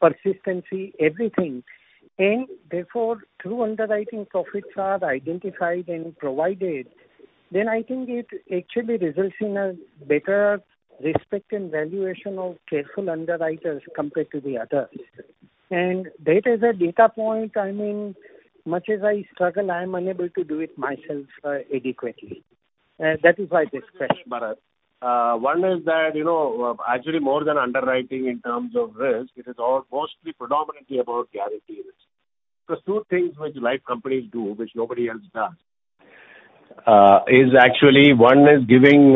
persistency, everything. Therefore, true underwriting profits are identified and provided. I think it actually results in a better respect and valuation of careful underwriters compared to the others. That as a data point, I mean, much as I struggle, I'm unable to do it myself adequately. That is why this question, Bharat. One is that, actually, more than underwriting in terms of risk, it is all mostly predominantly about guarantee risk. There are two things which life companies do, which nobody else does. Actually, one is giving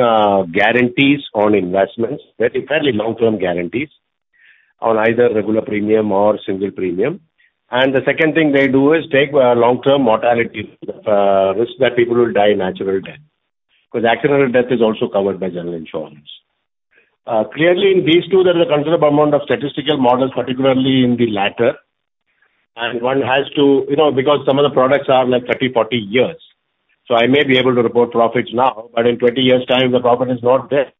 guarantees on investments. They're fairly long-term guarantees on either regular premium or single premium. The second thing they do is take long-term mortality risk that people will die a natural death, because accidental death is also covered by general insurance. Clearly, in these two, there's a considerable amount of statistical models, particularly in the latter. Some of the products are 30, 40 years. I may be able to report profits now, but in 20 years' time, the profit is not there.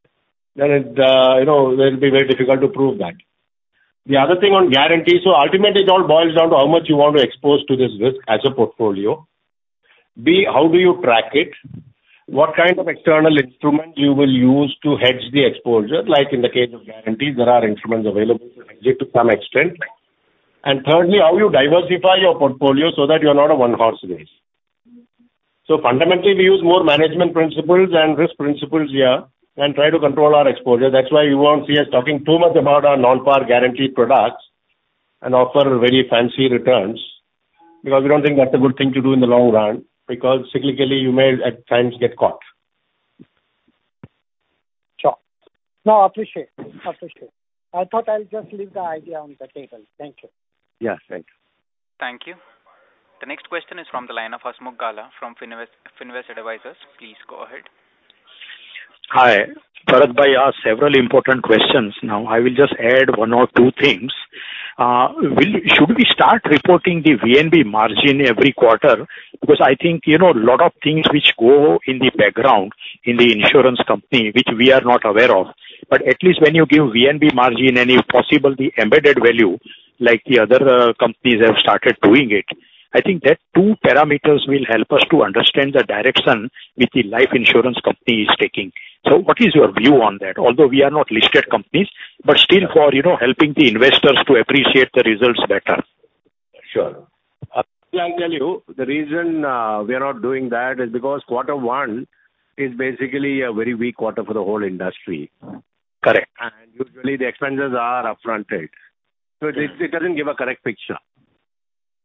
It will be very difficult to prove that. The other thing on guarantees. Ultimately, it all boils down to how much you want to expose to this risk as a portfolio. B, how do you track it? What kind of external instrument you will use to hedge the exposure? Like in the case of guarantees, there are instruments available to some extent. Thirdly, how you diversify your portfolio so that you're not a one-horse race. Fundamentally, we use more management principles and risk principles here and try to control our exposure. That's why you won't see us talking too much about our non-par guarantee products and offer very fancy returns, because we don't think that's a good thing to do in the long run, because cyclically, you may at times get caught. Sure. No, appreciate. I thought I'll just leave the idea on the table. Thank you. Yes, thanks. Thank you. The next question is from the line of Hasmukh Gala from Finvest Advisors. Please go ahead. Hi. Bharat asked several important questions now. I will just add one or two things. Should we start reporting the VNB margin every quarter? I think a lot of things which go in the background in the insurance company, which we are not aware of. At least when you give VNB margin, and if possible, the embedded value, like the other companies have started doing it. I think that two parameters will help us to understand the direction which the life insurance company is taking. What is your view on that? Although we are not listed companies, but still for helping the investors to appreciate the results better. Sure. Actually, I'll tell you, the reason we are not doing that is because quarter one is basically a very weak quarter for the whole industry. Correct. Usually, the expenses are upfronted. It doesn't give a correct picture.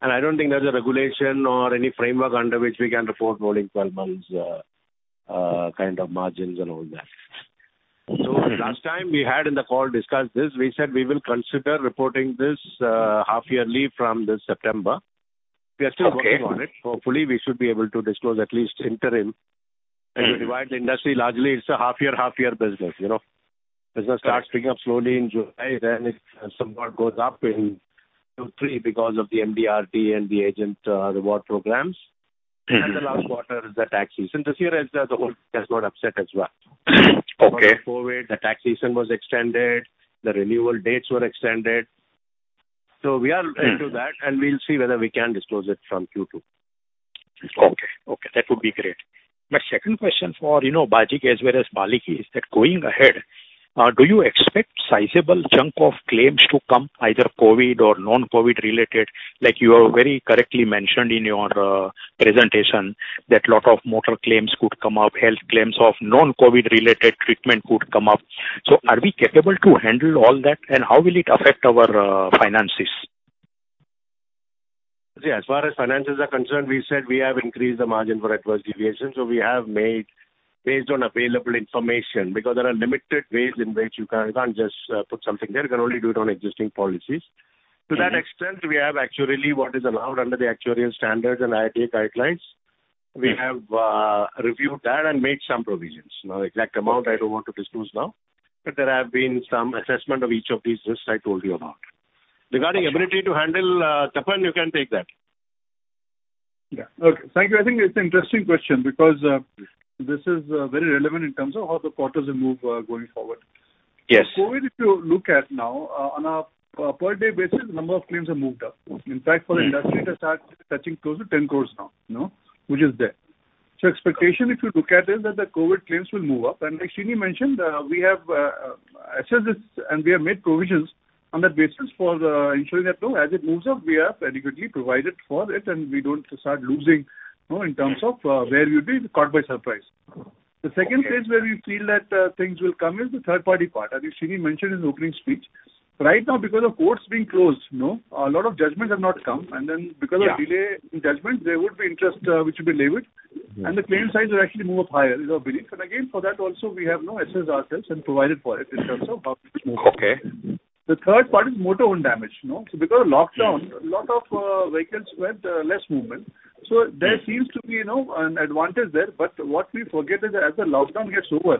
I don't think there's a regulation or any framework under which we can report rolling 12 months kind of margins and all that. Last time we had in the call discussed this, we said we will consider reporting this half-yearly from this September. We are still working on it. Hopefully, we should be able to disclose at least interim, and to revive the industry. Largely, it's a half-year business. Business starts picking up slowly in July, then it somewhat goes up in Q3 because of the MDRT and the agent reward programs. The last quarter is the tax season. This year, the whole thing has got upset as well. Okay. Because of COVID, the tax season was extended, the renewal dates were extended. We are into that, and we'll see whether we can disclose it from Q2. Okay. That would be great. My second question for Bajaj as well as BALIC is that, going ahead, do you expect a sizable chunk of claims to come either COVID or non-COVID related? You very correctly mentioned in your presentation that a lot of motor claims could come up, health claims of non-COVID related treatment could come up. Are we capable to handle all that, and how will it affect our finances? As far as finances are concerned, we said we have increased the margin for adverse deviation. We have made based on available information, because there are limited ways in which you can't just put something there. You can only do it on existing policies. To that extent, we have actually what is allowed under the actuarial standards and IRDAI guidelines. We have reviewed that and made some provisions. The exact amount, I don't want to disclose now. There have been some assessment of each of these risks I told you about. Regarding ability to handle, Tapan, you can take that. Yeah. Okay. Thank you. I think it's an interesting question because this is very relevant in terms of how the quarters will move going forward. Yes. COVID, if you look at now, on a per day basis, the number of claims have moved up. In fact, for the industry, it has started touching close to 10 crore now. Which is there. Expectation, if you look at it, that the COVID claims will move up. Like Sreeni mentioned, we have assessed this, and we have made provisions on that basis for ensuring that no, as it moves up, we are adequately provided for it, and we don't start losing in terms of where we'll be caught by surprise. The second place where we feel that things will come is the third-party part. As Sreeni mentioned in his opening speech. Right now, because of courts being closed, a lot of judgments have not come, and then because of delay in judgments, there would be interest which will be levied, and the claim size will actually move up higher is our belief. Again, for that also, we have assessed ourselves and provided for it in terms of how much move. Okay. The third part is motor-owned damage. Because of lockdown, a lot of vehicles were less movement. There seems to be an advantage there. What we forget is that as the lockdown gets over,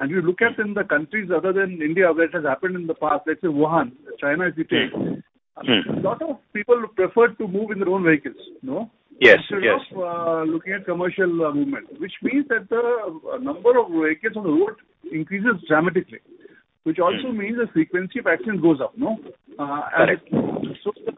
and you look at in the countries other than India where it has happened in the past, let's say Wuhan, China. A lot of people preferred to move in their own vehicles. Yes. Instead of looking at commercial movement, which means that the number of vehicles on the road increases dramatically, which also means the frequency of accidents goes up. The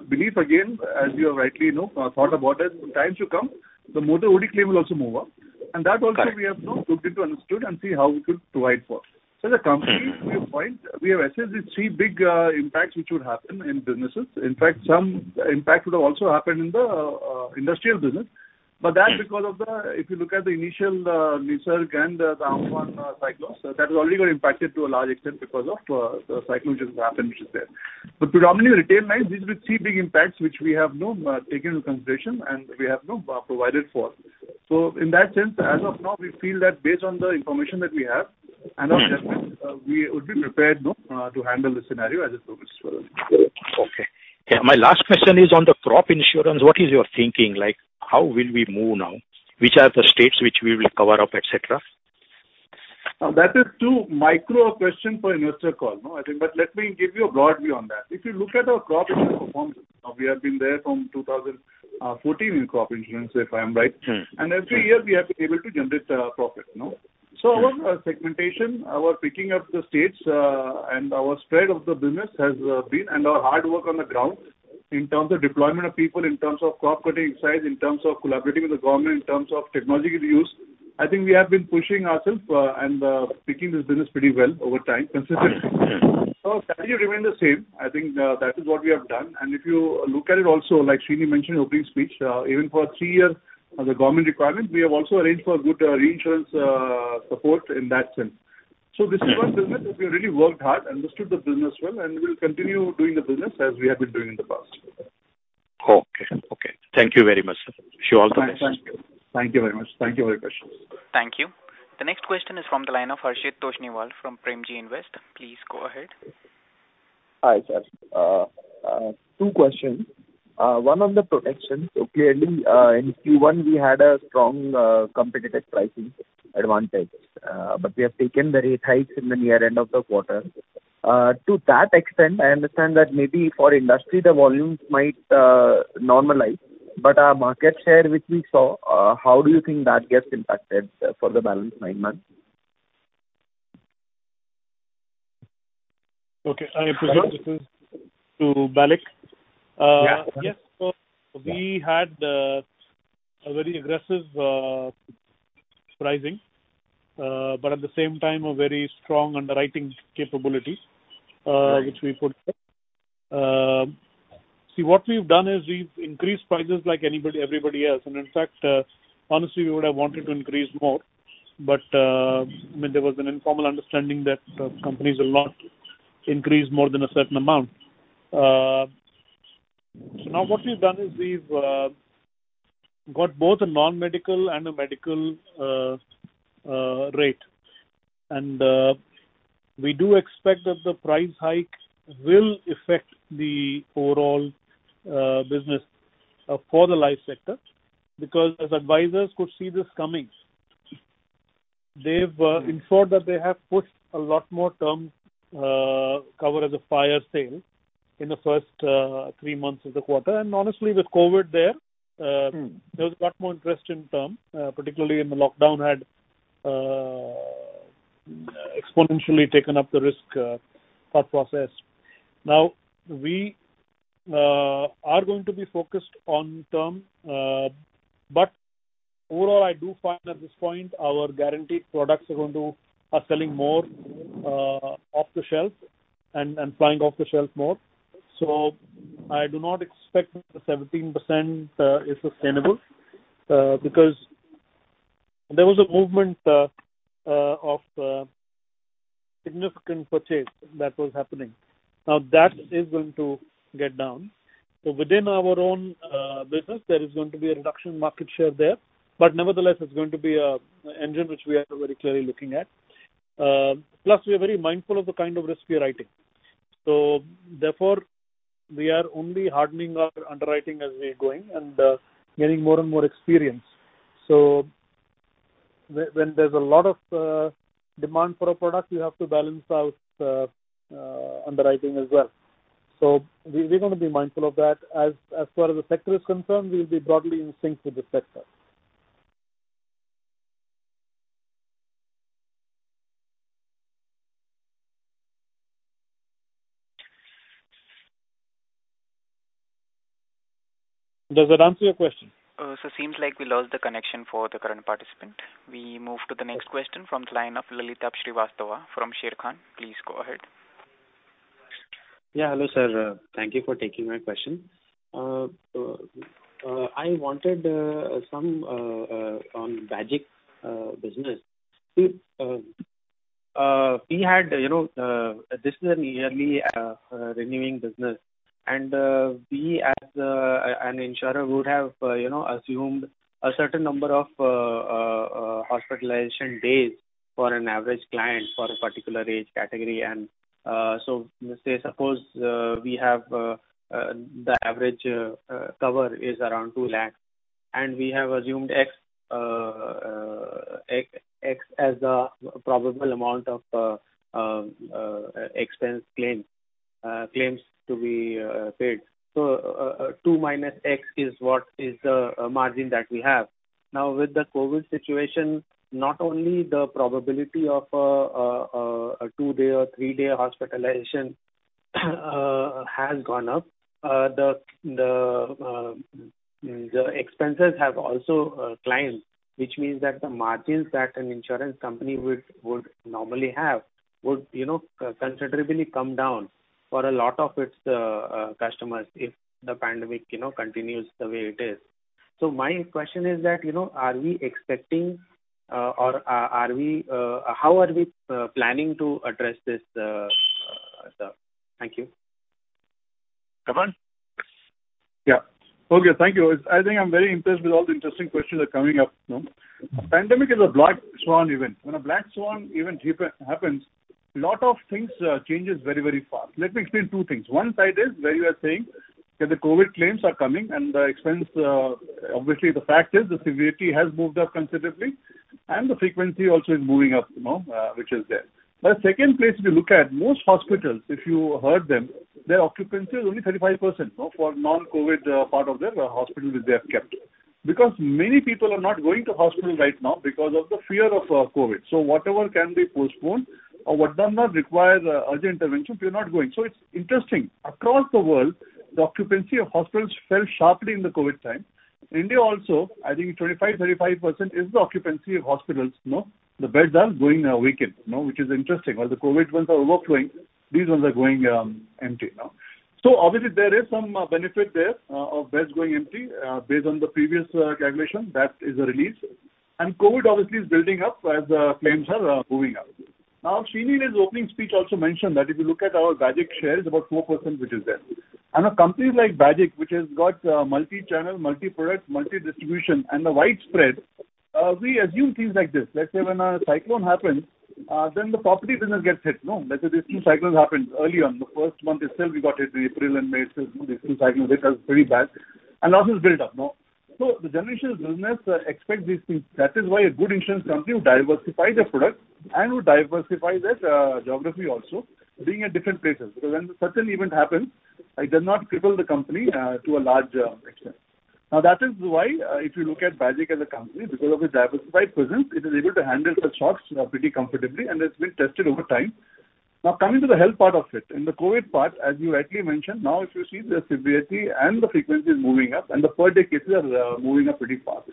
belief, again, as you have rightly thought about it, the time should come, the motor OD claim will also move up. That also we have looked into, understood, and see how we could provide for. As a company, to your point, we have assessed these three big impacts which would happen in businesses. In fact, some impact would have also happened in the industrial business. That because of the, if you look at the initial Nisarga and the Amphan cyclones, that has already got impacted to a large extent because of the cyclone which has happened, which is there. Predominantly retail lines, these were three big impacts, which we have taken into consideration and we have provided for. In that sense, as of now, we feel that based on the information that we have and our judgment, we would be prepared to handle the scenario as it moves further. Okay. My last question is on the crop insurance. What is your thinking like, how will we move now? Which are the states which we will cover up, et cetera? That is too micro a question for investor call. Let me give you a broad view on that. If you look at our crop insurance performance, we have been there from 2014 in crop insurance, if I am right. Every year, we have been able to generate profit. Our segmentation, our picking up the states, and our spread of the business, and our hard work on the ground in terms of deployment of people, in terms of crop cutting size, in terms of collaborating with the government, in terms of technological use. I think we have been pushing ourselves and picking this business pretty well over time, consistently. Strategy remain the same. I think that is what we have done. If you look at it also, like Sreeni mentioned in opening speech, even for three years of the government requirement, we have also arranged for good reinsurance support in that sense. This is one business which we really worked hard, understood the business well, and we'll continue doing the business as we have been doing in the past. Okay. Thank you very much, sir. Wish you all the best. Thank you very much. Thank you for your questions. Thank you. The next question is from the line of Harshit Toshniwal from Premji Invest. Please go ahead. Hi, sir. Two questions. One on the protection. Clearly, in Q1, we had a strong competitive pricing advantage. We have taken the rate hikes in the near end of the quarter. To that extent, I understand that maybe for industry, the volumes might normalize. Our market share which we saw, how do you think that gets impacted for the balance nine months? Okay. I presume this is to Bharat. Yeah. Yes. We had a very aggressive pricing, but at the same time, a very strong underwriting capability. Right which we put. See, what we've done is we've increased prices like everybody else. In fact, honestly, we would have wanted to increase more, but there was an informal understanding that companies will not increase more than a certain amount. Now what we've done is we've got both a non-medical and a medical rate. We do expect that the price hike will affect the overall business for the life sector, because as advisors could see this coming. They've ensured that they have put a lot more term cover as a fire sale in the first three months of the quarter. Honestly, with COVID there. there was a lot more interest in term, particularly in the lockdown had exponentially taken up the risk thought process. Now, we are going to be focused on term. Overall, I do find at this point our guaranteed products are selling more off the shelf and flying off the shelf more. I do not expect the 17% is sustainable because there was a movement of significant purchase that was happening. Now that is going to get down. Within our own business, there is going to be a reduction in market share there, nevertheless, it's going to be an engine which we are very clearly looking at. Plus, we are very mindful of the kind of risk we are writing. Therefore, we are only hardening our underwriting as we're going and getting more and more experience. When there's a lot of demand for a product, you have to balance out underwriting as well. We're going to be mindful of that. As far as the sector is concerned, we'll be broadly in sync with the sector. Does that answer your question? Sir, seems like we lost the connection for the current participant. We move to the next question from the line of Lalitabh Srivastava from Sharekhan. Please go ahead. Hello, sir. Thank you for taking my question. I wanted some on Bajaj business. This is a yearly renewing business, we as an insurer would have assumed a certain number of hospitalization days for an average client for a particular age category. Say, suppose the average cover is around 2 lakh, and we have assumed X as the probable amount of expense claims to be paid. Two minus X is what is the margin that we have. Now with the COVID situation, not only the probability of a two-day or three-day hospitalization has gone up the expenses have also climbed, which means that the margins that an insurance company would normally have would considerably come down for a lot of its customers if the pandemic continues the way it is. My question is that, how are we planning to address this stuff? Thank you. Tapan. Yeah. Okay. Thank you. I think I'm very impressed with all the interesting questions that are coming up. Pandemic is a black swan event. When a black swan event happens, lot of things changes very, very fast. Let me explain two things. One side is where you are saying that the COVID claims are coming and obviously the fact is the severity has moved up considerably and the frequency also is moving up which is there. A second place if you look at most hospitals, if you heard them, their occupancy is only 35% for non-COVID part of their hospital which they have kept. Many people are not going to hospital right now because of the fear of COVID. Whatever can be postponed or what does not require urgent intervention, people are not going. It's interesting. Across the world, the occupancy of hospitals fell sharply in the COVID time. India also, I think 25%, 35% is the occupancy of hospitals. The beds are going vacant which is interesting. While the COVID ones are overflowing, these ones are going empty. Obviously there is some benefit there of beds going empty based on the previous calculation, that is a relief. COVID obviously is building up as claims are moving up. Now, Sreeni in his opening speech also mentioned that if you look at our Bajaj Finserv shares, about 4% which is there. A company like Bajaj Finserv, which has got multi-channel, multi-product, multi-distribution, and a widespread, we assume things like this. Let's say when a cyclone happens, the property business gets hit. Let's say these two cyclones happened early on. The first month itself we got hit, the April and May, these two cyclones hit us pretty bad, and losses build up. The generation business expects these things. That is why a good insurance company would diversify their product and would diversify their geography also being at different places. When such an event happens, it does not cripple the company to a large extent. That is why if you look at Bajaj as a company, because of its diversified presence, it is able to handle the shocks pretty comfortably, and it's been tested over time. Coming to the health part of it. In the COVID part, as you rightly mentioned, now if you see the severity and the frequency is moving up and the per-day cases are moving up pretty fast.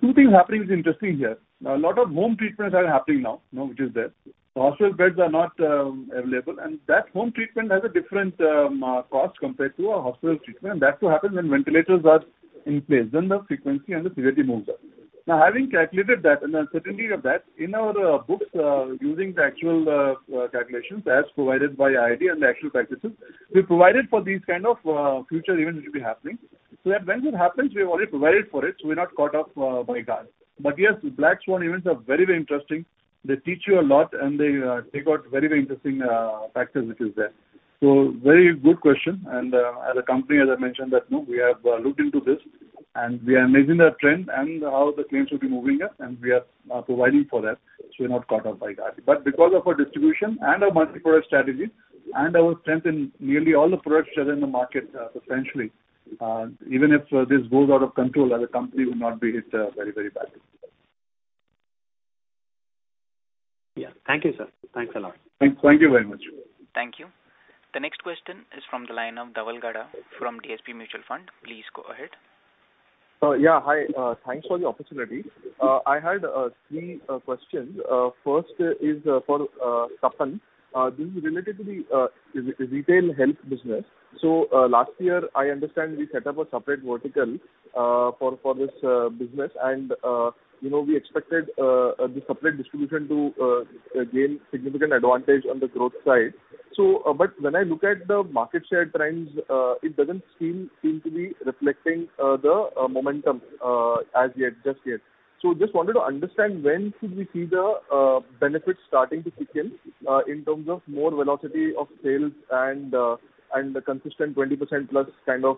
Two things happening is interesting here. A lot of home treatments are happening now which is there. The hospital beds are not available. That home treatment has a different cost compared to a hospital treatment. That too happens when ventilators are in place. The frequency and the severity moves up. Now, having calculated that and the uncertainty of that, in our books, using the actual calculations as provided by IIFL and the actual practices, we've provided for these kind of future events which will be happening. That when it happens, we have already provided for it. We're not caught off by guard. Yes, black swan events are very, very interesting. They teach you a lot. They got very, very interesting factors which is there. Very good question, and as a company, as I mentioned that we have looked into this, and we are measuring that trend and how the claims will be moving up, and we are providing for that so we're not caught off by that. Because of our distribution and our multi-product strategy and our strength in nearly all the products which are in the market substantially, even if this goes out of control as a company, we would not be hit very, very badly. Yeah. Thank you, sir. Thanks a lot. Thank you very much. Thank you. The next question is from the line of Dhaval Gada from DSP Mutual Fund. Please go ahead. Yeah. Hi. Thanks for the opportunity. I had three questions. First is for Tapan. This is related to the retail health business. Last year, I understand we set up a separate vertical for this business and we expected the separate distribution to gain significant advantage on the growth side. When I look at the market share trends, it doesn't seem to be reflecting the momentum as yet. Just wanted to understand when should we see the benefits starting to kick in terms of more velocity of sales and the consistent 20%+ kind of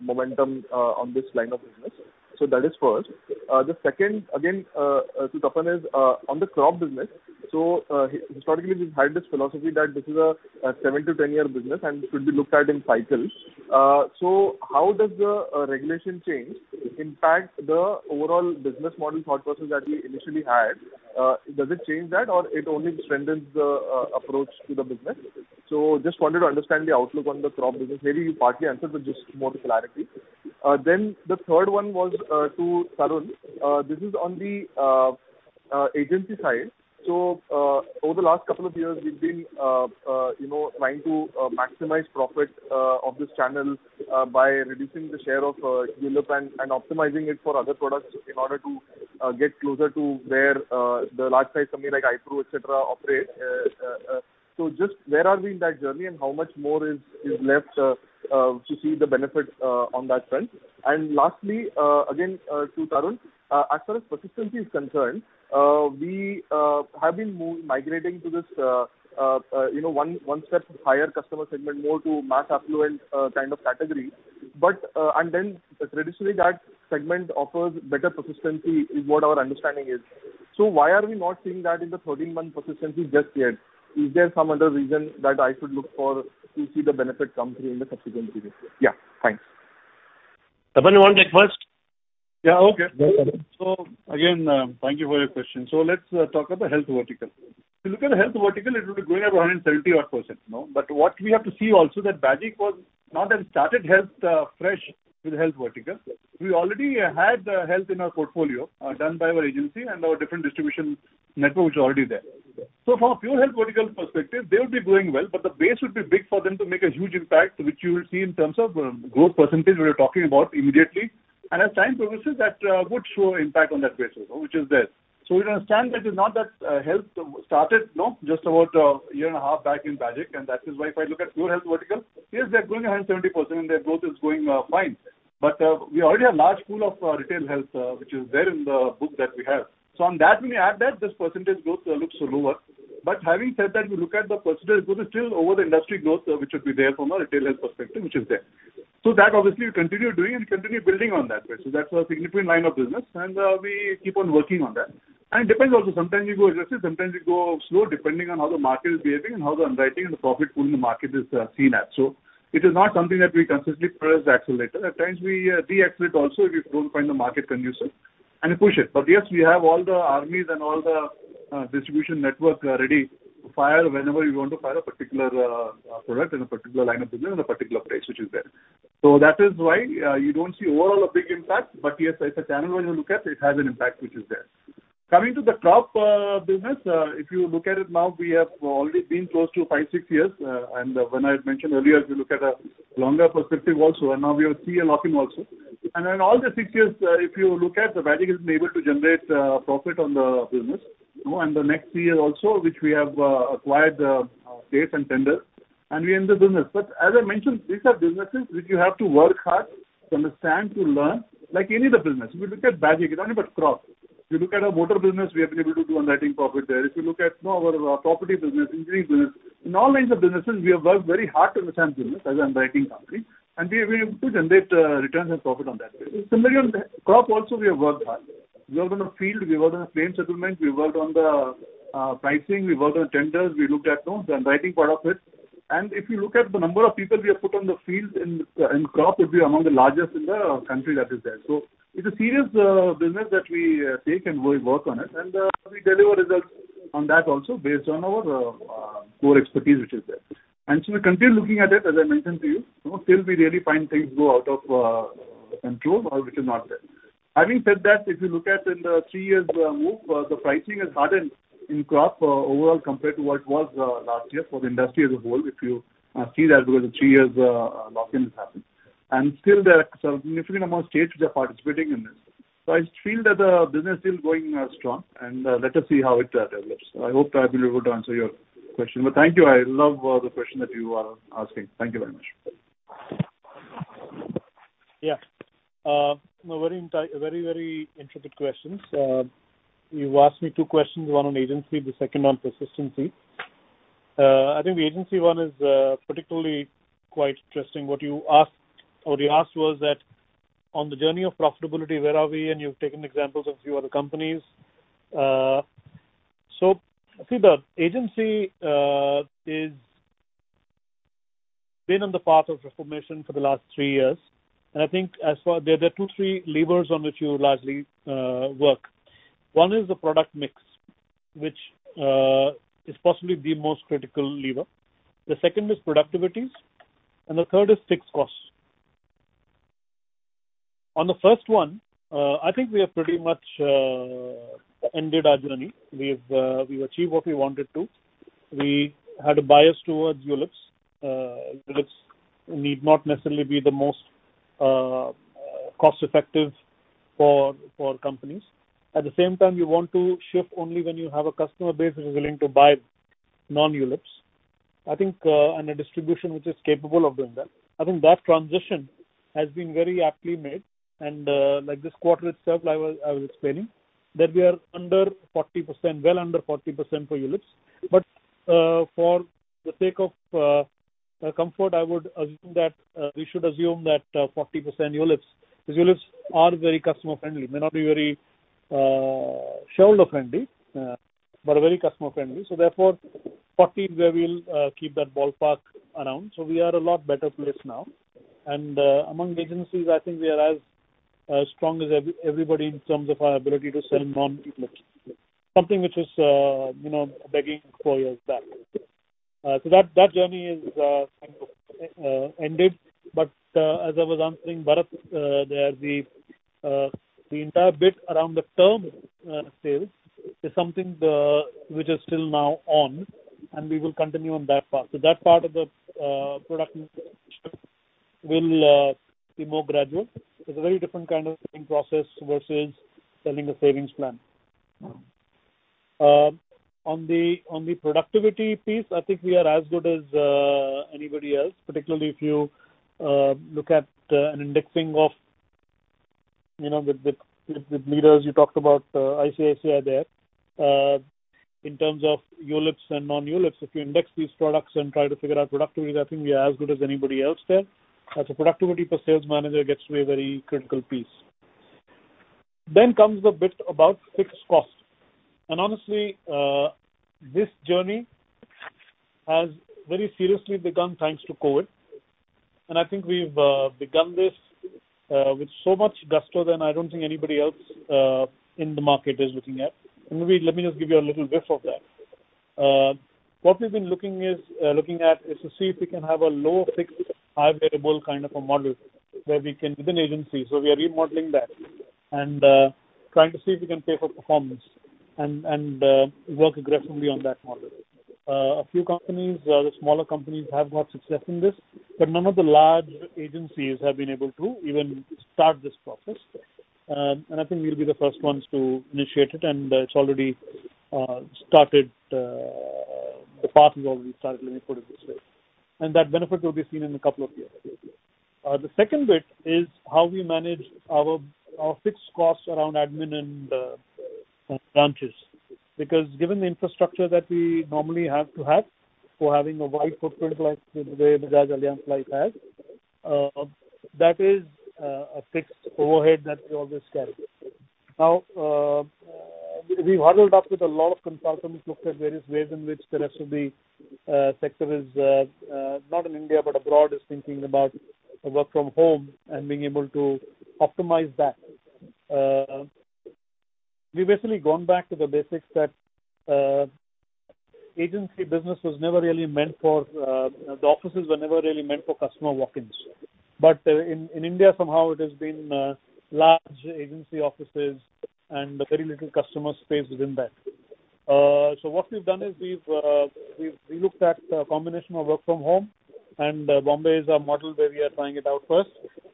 momentum on this line of business. That is first. The second, again, to Tapan, is on the crop business. Historically, we've had this philosophy that this is a seven to 10-year business and should be looked at in cycles. How does the regulation change impact the overall business model thought process that we initially had? Does it change that or it only strengthens the approach to the business? Just wanted to understand the outlook on the crop business. Maybe you partly answered but just more for clarity. The third one was to Tarun. This is on the agency side. Over the last couple of years, we've been trying to maximize profit of this channel by reducing the share of ULIP and optimizing it for other products in order to get closer to where the large size company like ICICI Pru, et cetera, operate. Just where are we in that journey and how much more is left to see the benefit on that front? Lastly, again, to Tarun, as far as persistency is concerned, we have been migrating to this one step higher customer segment, more to mass affluent kind of category. Traditionally that segment offers better persistency is what our understanding is. Why are we not seeing that in the 13-month persistency just yet? Is there some other reason that I should look for to see the benefit come through in the subsequent years? Yeah. Thanks. Tapan, you want to take first? Yeah. Okay. Again, thank you for your question. Let's talk about the health vertical. If you look at the health vertical, it will be growing at 170-odd%. What we have to see also that Bajaj was not that started health fresh with health vertical. We already had health in our portfolio done by our agency and our different distribution network which is already there. From a pure health vertical perspective, they will be growing well, but the base would be big for them to make a huge impact, which you will see in terms of growth % we are talking about immediately. As time progresses, that would show impact on that base also, which is there. We understand that it's not that health started just about a year and a half back in Bajaj, and that is why if I look at pure health vertical, yes, they're growing 170% and their growth is going fine. We already have large pool of retail health which is there in the book that we have. On that, when you add that, this percentage growth looks lower. Having said that, we look at the percentage growth is still over the industry growth, which would be there from a retail health perspective, which is there. That obviously we continue doing and continue building on that. That's a significant line of business, and we keep on working on that. It depends also, sometimes we go aggressive, sometimes we go slow, depending on how the market is behaving and how the underwriting and the profit pool in the market is seen as. It is not something that we consistently press the accelerator. At times we de-accelerate also if we don't find the market conducive and push it. Yes, we have all the armies and all the distribution network ready to fire whenever we want to fire a particular product in a particular line of business in a particular place, which is there. That is why you don't see overall a big impact. Yes, as a channel when you look at, it has an impact which is there. Coming to the crop business, if you look at it now, we have already been close to five, six years. When I mentioned earlier, we look at a longer perspective also, and now we have three-year lock-in also. In all the six years, if you look at, the value has been able to generate profit on the business. The next three years also, which we have acquired the dates and tenders, and we are in the business. As I mentioned, these are businesses which you have to work hard to understand, to learn, like any other business. If you look at Bajaj, it's not only about crop. If you look at our motor business, we have been able to do underwriting profit there. If you look at our property business, engineering business. In all lines of businesses, we have worked very hard to understand business as an underwriting company, and we have been able to generate returns and profit on that. Similarly, on crop also, we have worked hard. We worked on the field, we worked on the claim settlement, we worked on the pricing, we worked on tenders, we looked at the underwriting part of it. If you look at the number of people we have put on the field in crop, it'll be among the largest in the country that is there. It's a serious business that we take and we work on it, and we deliver results on that also based on our core expertise which is there. We continue looking at it, as I mentioned to you. Still we rarely find things go out of control or which is not there. Having said that, if you look at in the three years move, the pricing has hardened in crop overall compared to what it was last year for the industry as a whole. If you see that because of three years lock-in has happened. Still there are a significant amount of states which are participating in this. I feel that the business is still going strong, and let us see how it develops. I hope I've been able to answer your question. Thank you. I love the question that you are asking. Thank you very much. Yeah. Very intricate questions. You've asked me two questions, one on agency, the second on persistency. I think the agency one is particularly quite interesting. What you asked was that on the journey of profitability, where are we? You've taken examples of few other companies. See, the agency has been on the path of reformation for the last three years. I think there are two, three levers on which you largely work. One is the product mix, which is possibly the most critical lever. The second is productivities, and the third is fixed costs. On the first one, I think we have pretty much ended our journey. We've achieved what we wanted to. We had a bias towards ULIPs. ULIPs need not necessarily be the most cost-effective for companies. At the same time, you want to shift only when you have a customer base which is willing to buy non-ULIPs and a distribution which is capable of doing that. I think that transition has been very aptly made and like this quarter itself, I was explaining that we are well under 40% for ULIPs. For the sake of comfort, we should assume that 40% ULIPs, because ULIPs are very customer-friendly, may not be very shareholder-friendly, but are very customer-friendly. Therefore, 40 where we'll keep that ballpark around. We are a lot better placed now. Among agencies, I think we are as strong as everybody in terms of our ability to sell non-ULIPs, something which was begging four years back. That journey is kind of ended but as I was answering Bharat there, the entire bit around the term sales is something which is still now on, and we will continue on that path. That part of the product will be more gradual. It's a very different kind of selling process versus selling a savings plan. On the productivity piece, I think we are as good as anybody else, particularly if you look at an indexing of the leaders you talked about, ICICI there in terms of ULIPs and non-ULIPs. If you index these products and try to figure out productivity, I think we are as good as anybody else there. Productivity per sales manager gets to be a very critical piece. Comes the bit about fixed cost. Honestly, this journey has very seriously begun, thanks to COVID, and I think we've begun this with so much gusto than I don't think anybody else in the market is looking at. Maybe let me just give you a little riff of that. What we've been looking at is to see if we can have a low fixed, high variable kind of a model within agencies. We are remodeling that and trying to see if we can pay for performance and work aggressively on that model. A few companies, the smaller companies have got success in this, but none of the large agencies have been able to even start this process. I think we'll be the first ones to initiate it, and the path has already started, let me put it this way. That benefit will be seen in a couple of years. The second bit is how we manage our fixed costs around admin and branches. Given the infrastructure that we normally have to have for having a wide footprint like the way Bajaj Allianz Life has that is a fixed overhead that we always carry. We've huddled up with a lot of consultants, looked at various ways in which the rest of the sector is not in India but abroad is thinking about work from home and being able to optimize that. We've basically gone back to the basics that the offices were never really meant for customer walk-ins. In India, somehow it has been large agency offices and very little customer space within that. What we've done is we've looked at a combination of work from home and Bombay is our model where we are trying it out first,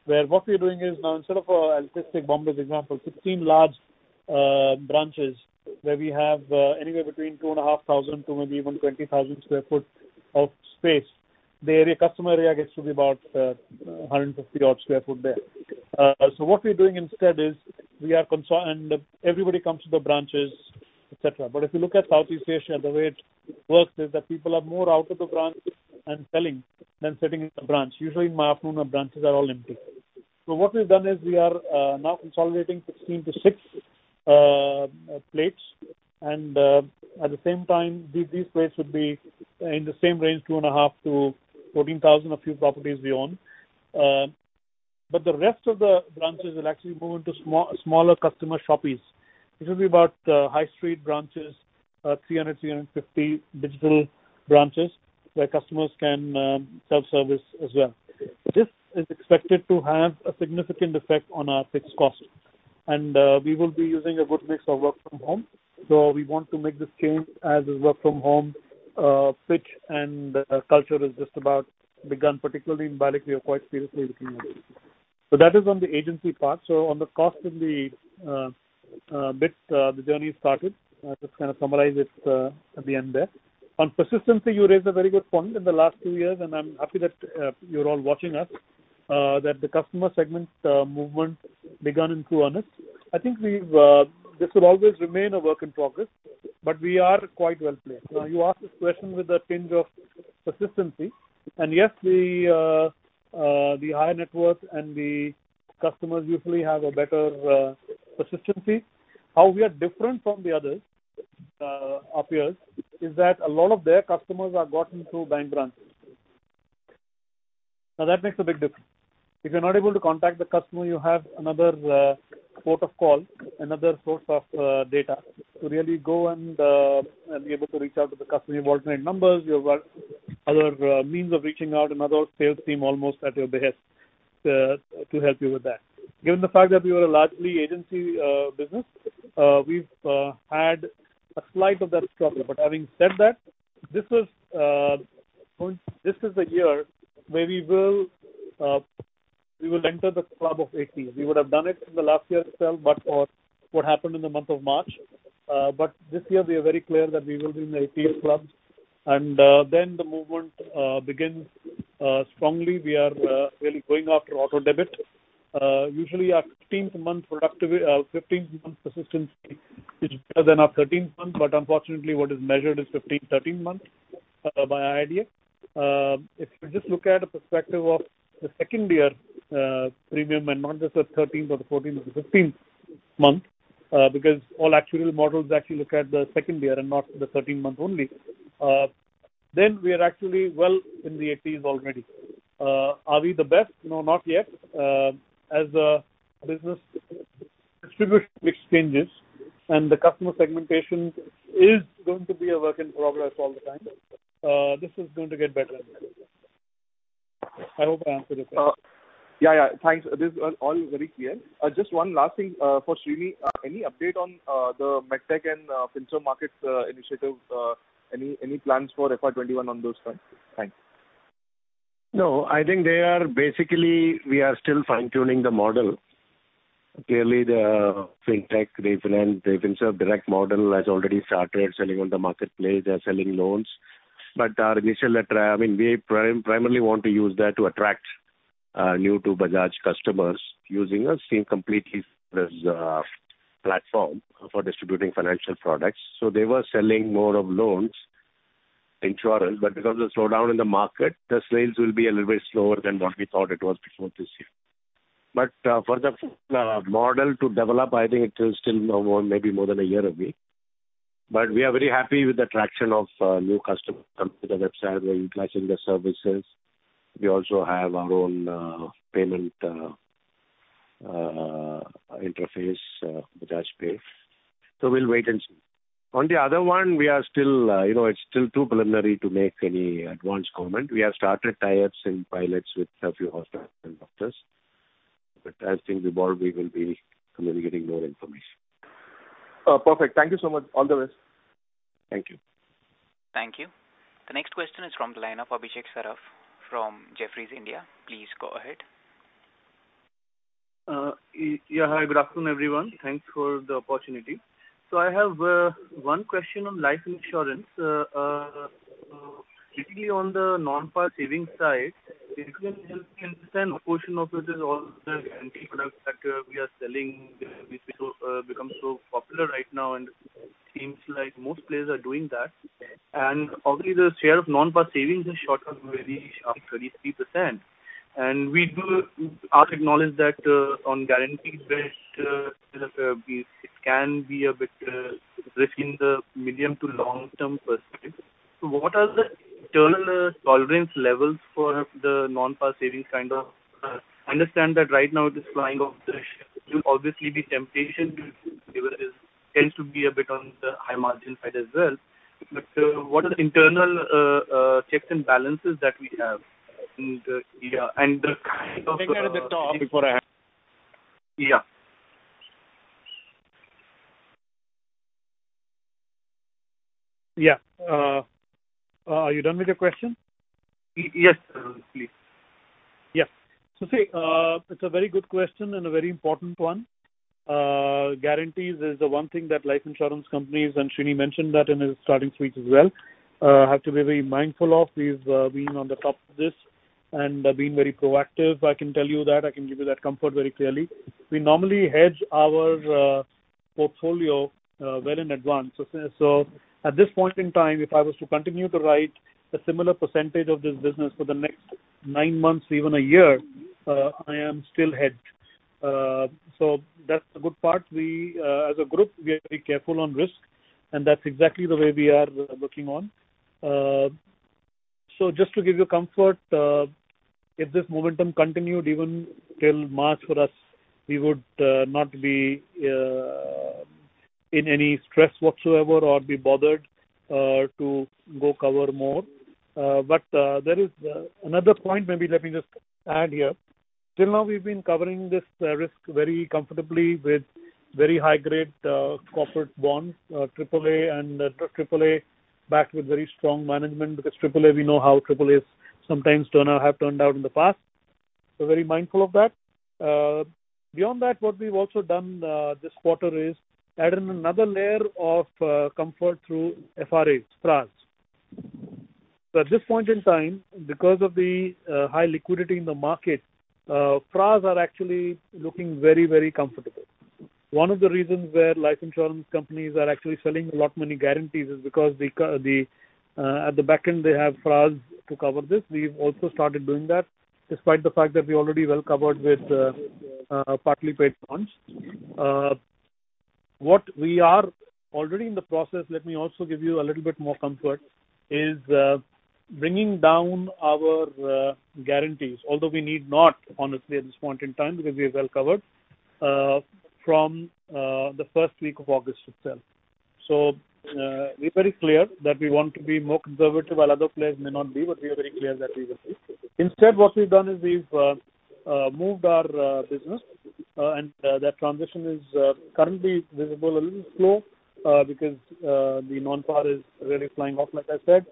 where what we're doing is now instead of and I'll just take Bombay as example, 16 large branches where we have anywhere between 2,500 to maybe even 20,000 sq ft of space. The customer area gets to be about 150 odd sq ft there. What we're doing instead is everybody comes to the branches, et cetera. If you look at Southeast Asia, the way it works is that people are more out of the branch and selling than sitting in a branch. Usually in my afternoon, our branches are all empty. What we've done is we are now consolidating 16 to six plates and at the same time these plates would be in the same range, 2,500 to 14,000 a few properties we own. The rest of the branches will actually move into smaller customer shoppies. This will be about high street branches, 300, 350 digital branches where customers can self-service as well. This is expected to have a significant effect on our fixed costs and we will be using a good mix of work from home. We want to make this change as this work from home pitch and culture has just about begun, particularly in BALIC, we are quite seriously looking at it. That is on the agency part. On the cost and the bit the journey started just kind of summarize it at the end there. On persistency, you raised a very good point in the last two years and I'm happy that you're all watching us that the customer segment movement began in true earnest. I think this will always remain a work in progress, but we are quite well placed. Now you asked this question with a tinge of persistency and yes, we. The higher networks and the customers usually have a better persistency. How we are different from the others, our peers, is that a lot of their customers are gotten through bank branches. Now, that makes a big difference. If you're not able to contact the customer, you have another port of call, another source of data to really go and be able to reach out to the customer. You have alternate numbers, you have other means of reaching out, another sales team almost at your behest to help you with that. Given the fact that we are a largely agency business, we've had a slight of that struggle. Having said that, this is the year where we will enter the club of 80. We would have done it in the last year itself, but for what happened in the month of March. This year, we are very clear that we will be in the 80s club, and then the movement begins strongly. We are really going after auto debit. Usually, our 15th-month persistency is better than our 13th month, but unfortunately what is measured is 15, 13 month by IRDAI. If you just look at a perspective of the second year premium and not just the 13th or the 14th or the 15th month because all actuarial models actually look at the second year and not the 13 month only, then we are actually well in the 80s already. Are we the best? No, not yet. As a business distribution exchanges and the customer segmentation is going to be a work in progress all the time. This is going to get better and better. I hope I answered your question. Yeah. Thanks. This is all very clear. Just one last thing for Sreeni. Any update on the HealthTech and Finserv MARKETS initiative? Any plans for FY 2021 on those fronts? Thanks. I think basically, we are still fine-tuning the model. Clearly, the FinTech, the Finserv Direct model has already started selling on the marketplace. They are selling loans. We primarily want to use that to attract new-to-Bajaj customers using our scene completely as a platform for distributing financial products. They were selling more of loans insurance, but because of the slowdown in the market, the sales will be a little bit slower than what we thought it was before this year. For the model to develop, I think it is still maybe more than a year away. We are very happy with the traction of new customers coming to the website, utilizing the services. We also have our own payment interface, Bajaj Pay. We'll wait and see. On the other one, it's still too preliminary to make any advanced comment. We have started tie-ups and pilots with a few hospitals and doctors. As things evolve, we will be communicating more information. Perfect. Thank you so much. All the best. Thank you. Thank you. The next question is from the line of Abhishek Saraf from Jefferies India. Please go ahead. Yeah. Hi. Good afternoon, everyone. Thanks for the opportunity. I have one question on life insurance. Specifically on the non-par savings side understand a portion of it is all the guarantee products that we are selling, which become so popular right now and seems like most players are doing that. Obviously the share of non-par savings has shot up very high, 33%. We do also acknowledge that on guarantees-based it can be a bit risky in the medium to long-term perspective. What are the internal tolerance levels for the non-par savings? I understand that right now it is flying off the shelf. There will obviously be temptation because it tends to be a bit on the high margin side as well. What are the internal checks and balances that we have? Can I get the top before I? Yeah. Yeah. Are you done with your question? Yes. Please. Yeah. See, it's a very good question and a very important one. Guarantees is the one thing that life insurance companies, and Sreeni mentioned that in his starting speech as well, have to be very mindful of. We've been on the top of this and been very proactive, I can tell you that. I can give you that comfort very clearly. We normally hedge our portfolio well in advance. At this point in time, if I was to continue to write a similar percentage of this business for the next nine months, even a year, I am still hedged. That's the good part. As a group, we are very careful on risk and that's exactly the way we are working on. Just to give you comfort if this momentum continued even till March for us, we would not be in any stress whatsoever or be bothered to go cover more. There is another point maybe let me just add here. Till now we've been covering this risk very comfortably with very high-grade corporate bonds, AAA and triple A backed with very strong management because AAA we know how AAAs sometimes have turned out in the past. Very mindful of that. Beyond that, what we've also done this quarter is add in another layer of comfort through FRAs. At this point in time because of the high liquidity in the market, FRAs are actually looking very comfortable. One of the reasons why life insurance companies are actually selling a lot of money guarantees is because at the back end, they have funds to cover this. We've also started doing that, despite the fact that we're already well-covered with partly paid bonds. What we are already in the process, let me also give you a little bit more comfort, is bringing down our guarantees. Although we need not, honestly, at this point in time, because we are well covered from the first week of August itself. We're very clear that we want to be more conservative while other players may not be, but we are very clear that we will be. Instead, what we've done is we've moved our business and that transition is currently visible, a little slow because the non-par is really flying off, like I said,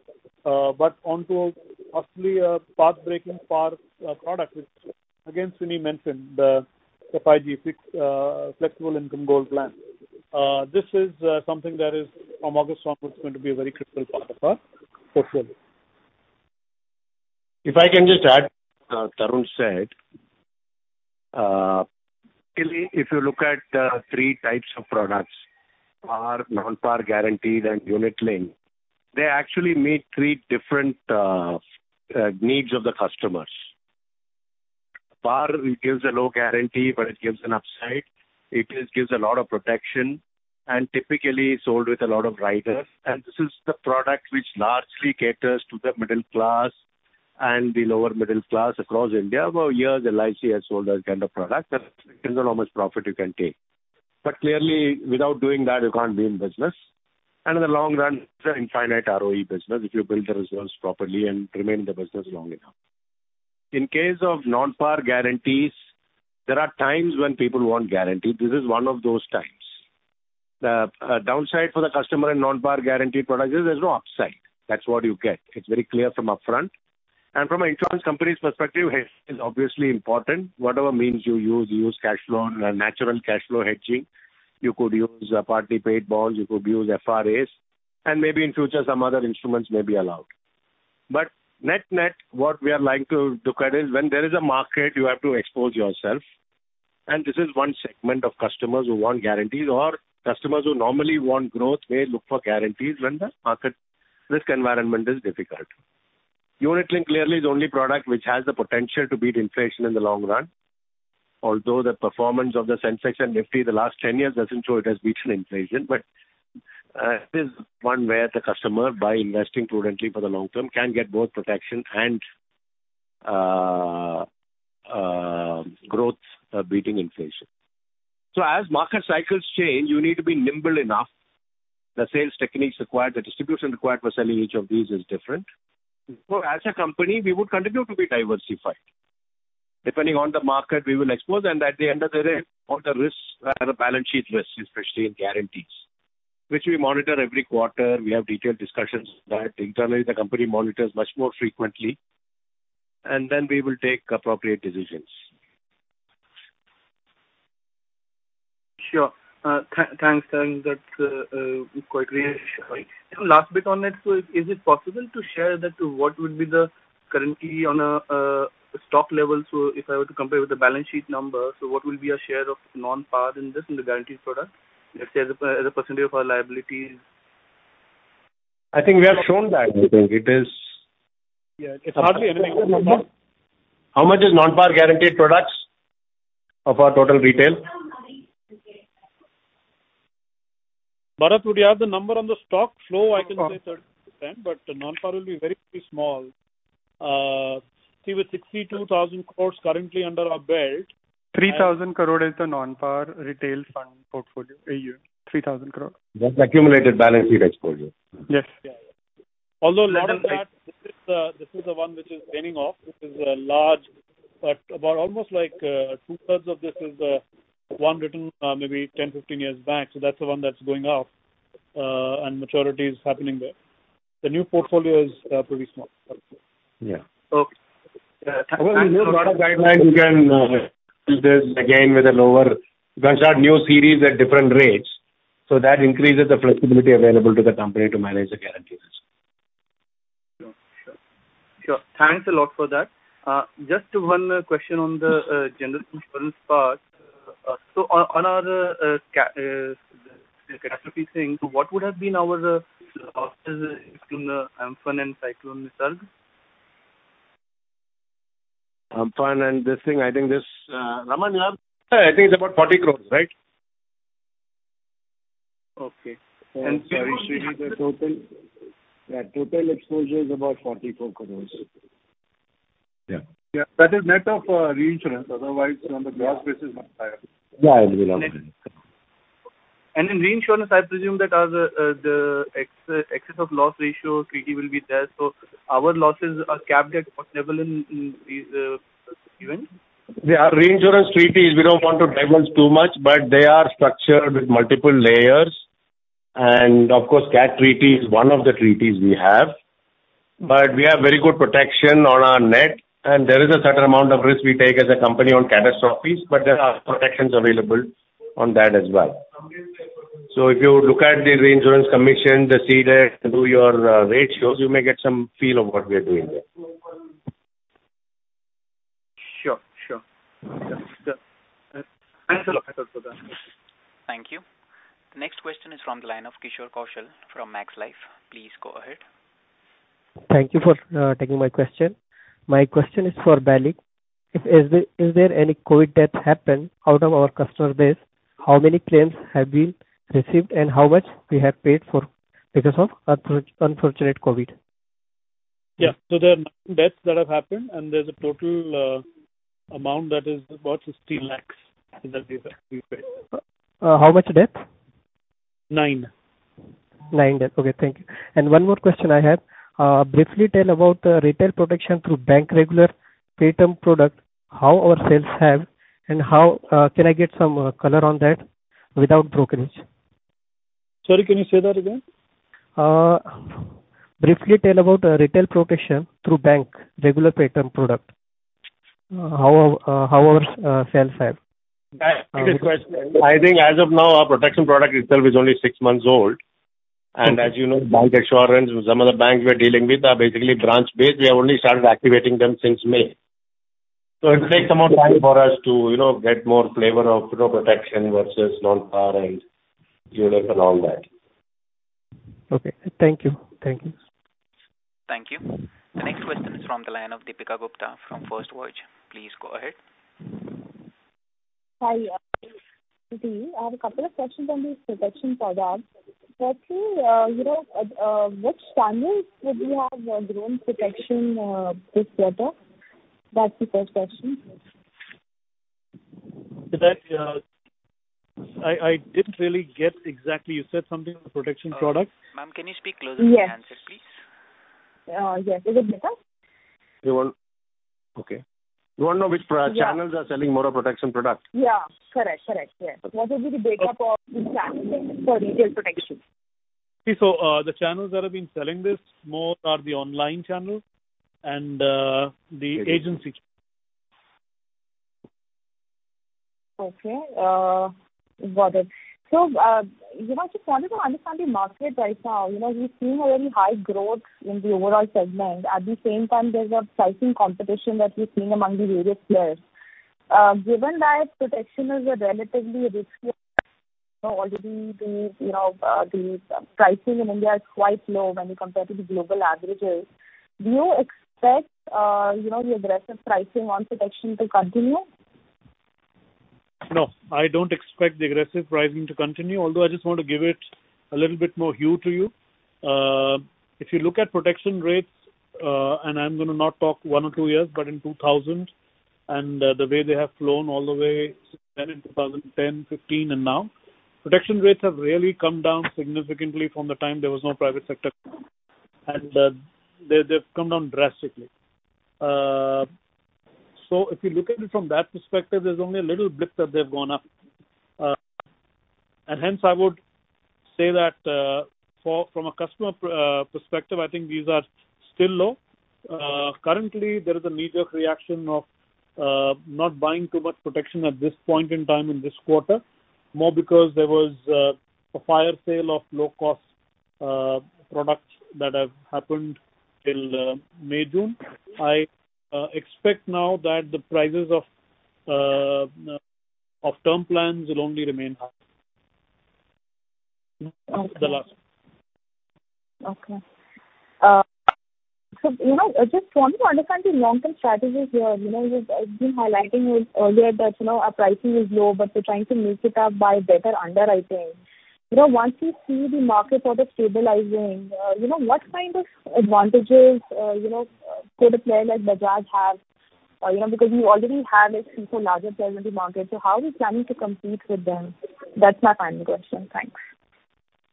onto possibly a pathbreaking par product, which again, Sreeni mentioned, the 5G Flexible Income Goal Plan. This is something that from August onwards is going to be a very critical part of our portfolio. If I can just add to what Tarun said. Really, if you look at the three types of products, par, non-par guaranteed, and unit link, they actually meet three different needs of the customers. Par gives a low guarantee, it gives an upside. It gives a lot of protection and typically sold with a lot of riders. This is the product which largely caters to the middle class and the lower middle class across India. For years, LIC has sold that kind of product. That limits how much profit you can take. Clearly, without doing that, you can't be in business. In the long run, it's an infinite ROE business, if you build the reserves properly and remain in the business long enough. In case of non-par guarantees, there are times when people want guarantees. This is one of those times. The downside for the customer in non-par guarantee products is there's no upside. That's what you get. It's very clear from upfront. From an insurance company's perspective, hedging is obviously important. Whatever means you use, you use natural cash flow hedging. You could use partly paid bonds, you could use FRAs, and maybe in future, some other instruments may be allowed. Net, what we are likely to cut is when there is a market, you have to expose yourself. This is one segment of customers who want guarantees or customers who normally want growth may look for guarantees when the market risk environment is difficult. Unit link clearly is the only product which has the potential to beat inflation in the long run. Although the performance of the Sensex and Nifty in the last 10 years doesn't show it has beaten inflation. This is one where the customer, by investing prudently for the long term, can get both protection and growth beating inflation. As market cycles change, you need to be nimble enough. The sales techniques required, the distribution required for selling each of these is different. As a company, we would continue to be diversified. Depending on the market, we will expose and at the end of the day, all the risks are the balance sheet risks, especially in guarantees, which we monitor every quarter. We have detailed discussions that internally the company monitors much more frequently, and then we will take appropriate decisions. Sure. Thanks, Tarun. That's quite reassuring. One last bit on it. Is it possible to share what would be currently on a stock level, so if I were to compare with the balance sheet number, so what will be a share of non-par in this, in the guaranteed product, let's say as a % of our liabilities? I think we have shown that. It's hardly anything. How much is non-par guaranteed products of our total retail? Bharat, would you have the number on the stock flow? I can say 30%, but non-par will be very, very small. See, with 62,000 crores currently under our belt. 3,000 crore is the non-par retail fund portfolio AUM. 3,000 crore. That's accumulated balance sheet exposure. Yes. A lot of that, this is the one which is waning off, which is large, but about almost two-thirds of this is one written maybe 10, 15 years back. That's the one that's going off and maturity is happening there. The new portfolio is pretty small. Yeah. Okay. With the new product guidelines, you can do this again. You can start new series at different rates, so that increases the flexibility available to the company to manage the guarantees. Sure. Thanks a lot for that. Just one question on the general insurance part. On our catastrophe thing, what would have been our losses between the Amphan and Cyclone Nisarga? Amphan and this thing, I think Raman, you have? I think it's about 40 crores. Okay. Sorry, Sini. The total exposure is about 44 crores. Yeah. That is net of reinsurance, otherwise on the gross basis much higher. Yeah. In reinsurance, I presume that the excess of loss ratio treaty will be there. Our losses are capped at what level in these events? They are reinsurance treaties. We don't want to divulge too much. They are structured with multiple layers. Of course, cat treaty is one of the treaties we have. We have very good protection on our net, and there is a certain amount of risk we take as a company on catastrophes, but there are protections available on that as well. If you look at the reinsurance commission, the ceded, do your ratios, you may get some feel of what we are doing there. Sure. Yeah. Thanks a lot. Thank you. Next question is from the line of Kishor Kaushal from Max Life. Please go ahead. Thank you for taking my question. My question is for BALIC. Is there any COVID deaths happened out of our customer base? How many claims have been received, and how much we have paid because of unfortunate COVID? Yeah. There are deaths that have happened, and there's a total amount that is about 16 lakhs in that we paid. How much death? Nine. Nine death. Okay, thank you. One more question I have. Briefly tell about the retail protection through bank regular pay term product, how our sales have and how can I get some color on that without brokerage? Sorry, can you say that again? Briefly tell about retail protection through bank regular pay term product. How our sales have. I think as of now, our protection product itself is only six months old, and as you know, bancassurance and some of the banks we're dealing with are basically branch-based. We have only started activating them since May. It takes some more time for us to get more flavor of protection versus non-par and ULIP and all that. Okay. Thank you. Thank you. The next question is from the line of Deepika Gupta from First Watch. Please go ahead. Hi. I have a couple of questions on these protection products. Firstly, which channels would you have grown protection this quarter? That's the first question. I didn't really get exactly. You said something protection product. Ma'am, can you speak closer to the handset, please? Yes. Is it better? Okay. You want to know which channels are selling more of protection product? Yeah. Correct. What would be the breakup of the channels for retail protection? The channels that have been selling this more are the online channels and the agency. Okay. Got it. I just wanted to understand the market right now. We've seen a very high growth in the overall segment. At the same time, there's a pricing competition that we've seen among the various players. Given that protection is a relatively risky already the pricing in India is quite low when you compare to the global averages. Do you expect the aggressive pricing on protection to continue? No, I don't expect the aggressive pricing to continue, although I just want to give it a little bit more hue to you. If you look at protection rates, I'm going to not talk one or two years, the way they have flown all the way since then in 2010, 2015 and now. Protection rates have really come down significantly from the time there was no private sector, they've come down drastically. If you look at it from that perspective, there's only a little blip that they've gone up. Hence, I would say that from a customer perspective, I think these are still low. Currently, there is a knee-jerk reaction of not buying too much protection at this point in time in this quarter, more because there was a fire sale of low-cost products that have happened till May, June. I expect now that the prices of term plans will only remain high. Okay. I just wanted to understand the long-term strategies here. You've been highlighting earlier that our pricing is low, but we're trying to make it up by better underwriting. Once we see the market sort of stabilizing, what kind of advantages could a player like Bajaj have because you already have a larger presence in the market, how are you planning to compete with them? That's my final question. Thanks.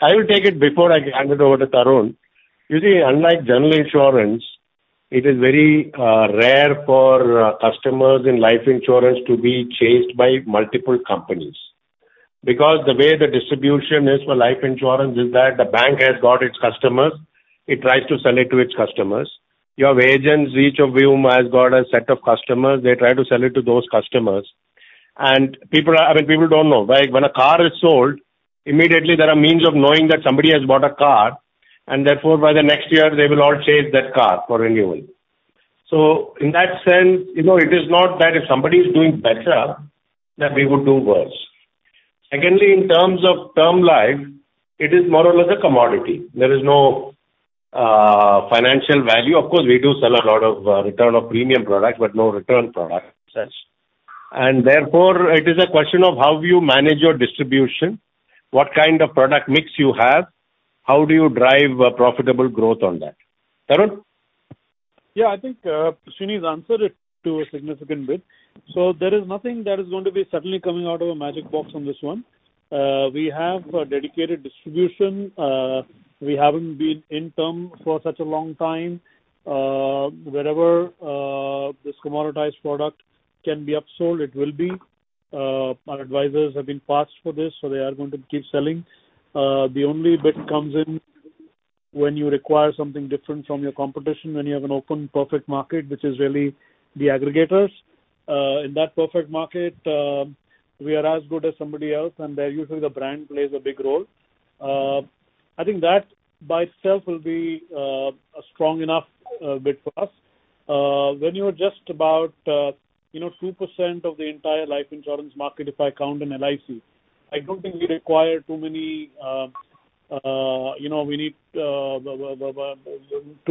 I will take it before I hand it over to Tarun. You see, unlike general insurance, it is very rare for customers in life insurance to be chased by multiple companies. The way the distribution is for life insurance is that the bank has got its customers, it tries to sell it to its customers. You have agents, each of whom has got a set of customers. They try to sell it to those customers. People don't know. When a car is sold, immediately there are means of knowing that somebody has bought a car, and therefore by the next year, they will all chase that car for renewal. In that sense, it is not that if somebody is doing better, that we would do worse. Secondly, in terms of term life, it is more or less a commodity. There is no financial value. Of course, we do sell a lot of return of premium product, but no return product as such. Therefore, it is a question of how you manage your distribution, what kind of product mix you have, how do you drive profitable growth on that. Tarun? Yeah, I think Sreeni's answered it to a significant bit. There is nothing that is going to be suddenly coming out of a magic box on this one. We have a dedicated distribution. We haven't been in term for such a long time. Wherever this commoditized product can be upsold, it will be. Our advisors have been parsed for this, so they are going to keep selling. The only bit comes in when you require something different from your competition when you have an open, perfect market, which is really the aggregators. In that perfect market, we are as good as somebody else, and there usually the brand plays a big role. I think that by itself will be a strong enough bit for us. When you're just about 2% of the entire life insurance market, if I count in LIC, I don't think we need too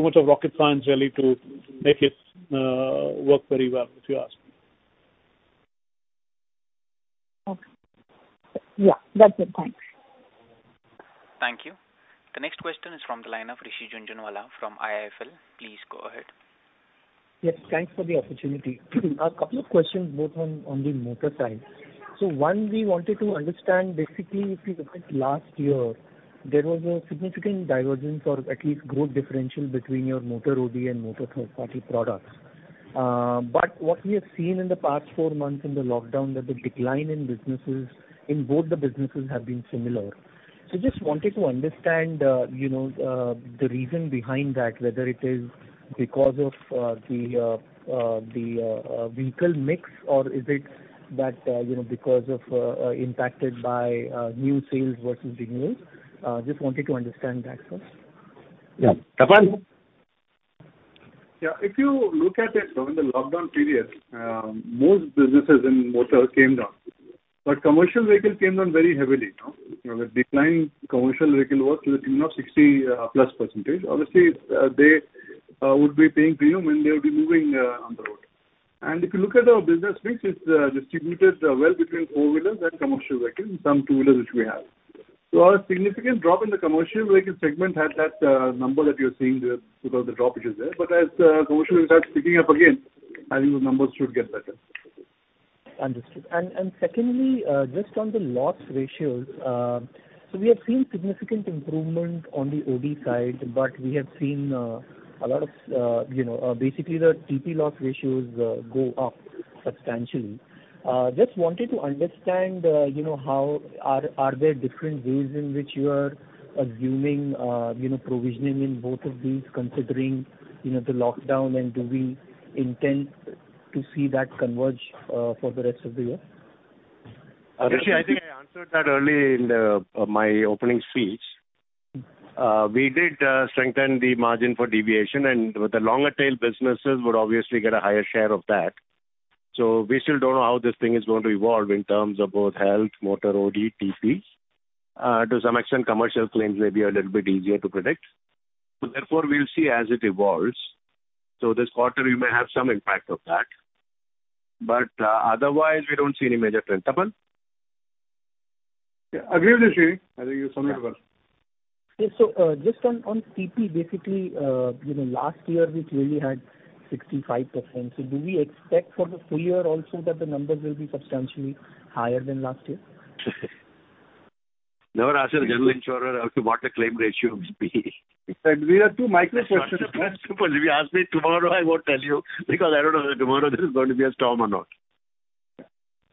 much of rocket science really to make it work very well, if you ask me. Okay. Yeah. That's it. Thanks. Thank you. The next question is from the line of Rishi Jhunjhunwala from IIFL. Please go ahead. Yes, thanks for the opportunity. A couple of questions, both on the motor side. One, we wanted to understand basically, if you look at last year, there was a significant divergence or at least growth differential between your motor OD and motor third-party products. What we have seen in the past four months in the lockdown that the decline in both the businesses have been similar. Just wanted to understand the reason behind that, whether it is because of the vehicle mix or is it because of impacted by new sales versus renewals. Just wanted to understand that, sir. Yeah. Tapan? Yeah. If you look at it during the lockdown period, most businesses in motor came down, but commercial vehicle came down very heavily. The decline in commercial vehicle was to the tune of 60+%. Obviously, they would be paying premium when they would be moving on the road. If you look at our business mix, it's distributed well between four-wheelers and commercial vehicles, and some two-wheelers which we have. Our significant drop in the commercial vehicle segment had that number that you're seeing there because the drop which is there. As commercial starts picking up again, I think the numbers should get better. Understood. Secondly, just on the loss ratios, so we have seen significant improvement on the OD side, but we have seen basically the TP loss ratios go up substantially. Just wanted to understand, are there different ways in which you are assuming provisioning in both of these considering the lockdown, and do we intend to see that converge for the rest of the year? Rishi, I think I answered that early in my opening speech. We did strengthen the margin for deviation and the longer tail businesses would obviously get a higher share of that. We still don't know how this thing is going to evolve in terms of both health, motor OD, TP. To some extent, commercial claims may be a little bit easier to predict. Therefore, we'll see as it evolves. This quarter, we may have some impact of that. Otherwise, we don't see any major trend. Tapan? Yeah. Agree with Sree. I think you summed it well. Just on TP, basically last year we clearly had 65%. Do we expect for the full year also that the numbers will be substantially higher than last year? Never ask a general insurer what the claim ratio must be. We are too micro-focused. If you ask me tomorrow, I won't tell you because I don't know whether tomorrow there is going to be a storm or not.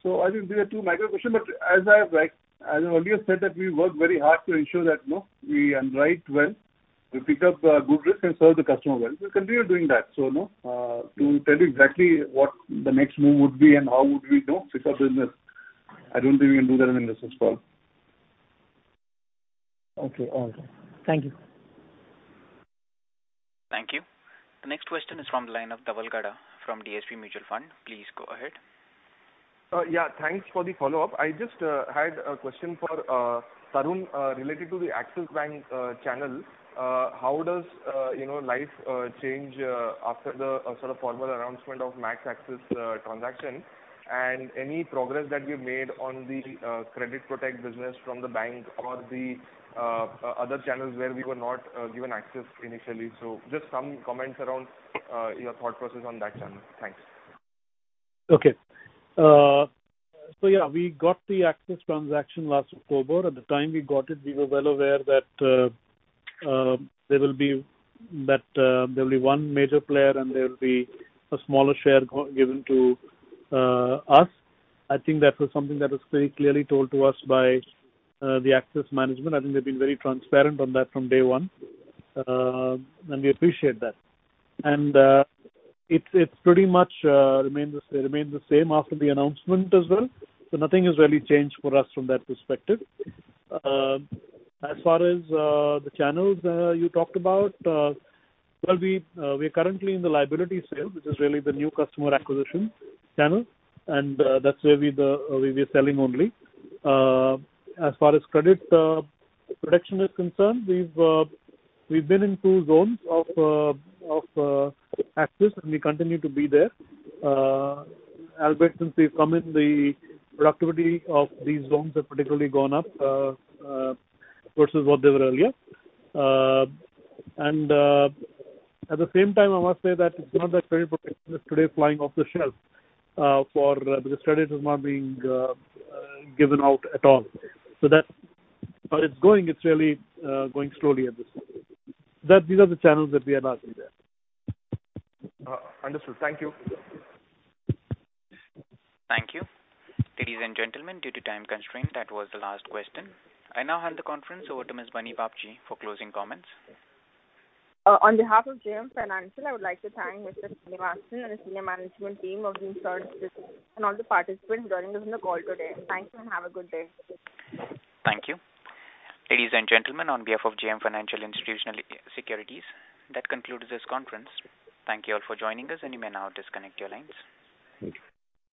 I think these are two micro questions, but as I earlier said that we work very hard to ensure that we underwrite well, we pick up good risk and serve the customer well. We'll continue doing that. To tell you exactly what the next move would be and how would we fix our business, I don't think we can do that in any business, Pal. Okay. All good. Thank you. Thank you. The next question is from the line of Dhaval Gada from DSP Mutual Fund. Please go ahead. Yeah. Thanks for the follow-up. I just had a question for Tarun related to the Axis Bank channel. How does life change after the formal announcement of Max Axis transaction and any progress that we've made on the credit protect business from the bank or the other channels where we were not given access initially. Just some comments around your thought process on that channel. Thanks. Okay. Yeah, we got the Axis Bank transaction last October. At the time we got it, we were well aware that there will be one major player and there will be a smaller share given to us. I think that was something that was very clearly told to us by the Axis Bank management. I think they've been very transparent on that from day one and we appreciate that. It's pretty much remained the same after the announcement as well. Nothing has really changed for us from that perspective. As far as the channels you talked about, well, we're currently in the liability sale, which is really the new customer acquisition channel and that's where we're selling only. As far as credit protection is concerned, we've been in two zones of Axis Bank and we continue to be there. Ever since we've come in, the productivity of these zones have particularly gone up versus what they were earlier. At the same time, I must say that it's not that credit protection is today flying off the shelf because credit is not being given out at all. It's really going slowly at this point. These are the channels that we are present in there. Understood. Thank you. Thank you. Ladies and gentlemen, due to time constraint, that was the last question. I now hand the conference over to Ms. Bunny Babjee for closing comments. On behalf of JM Financial, I would like to thank Mr. Sreenivasan and the senior management team of the and all the participants joining us on the call today. Thank you and have a good day. Thank you. Ladies and gentlemen, on behalf of JM Financial Institutional Securities, that concludes this conference. Thank you all for joining us and you may now disconnect your lines. Thank you.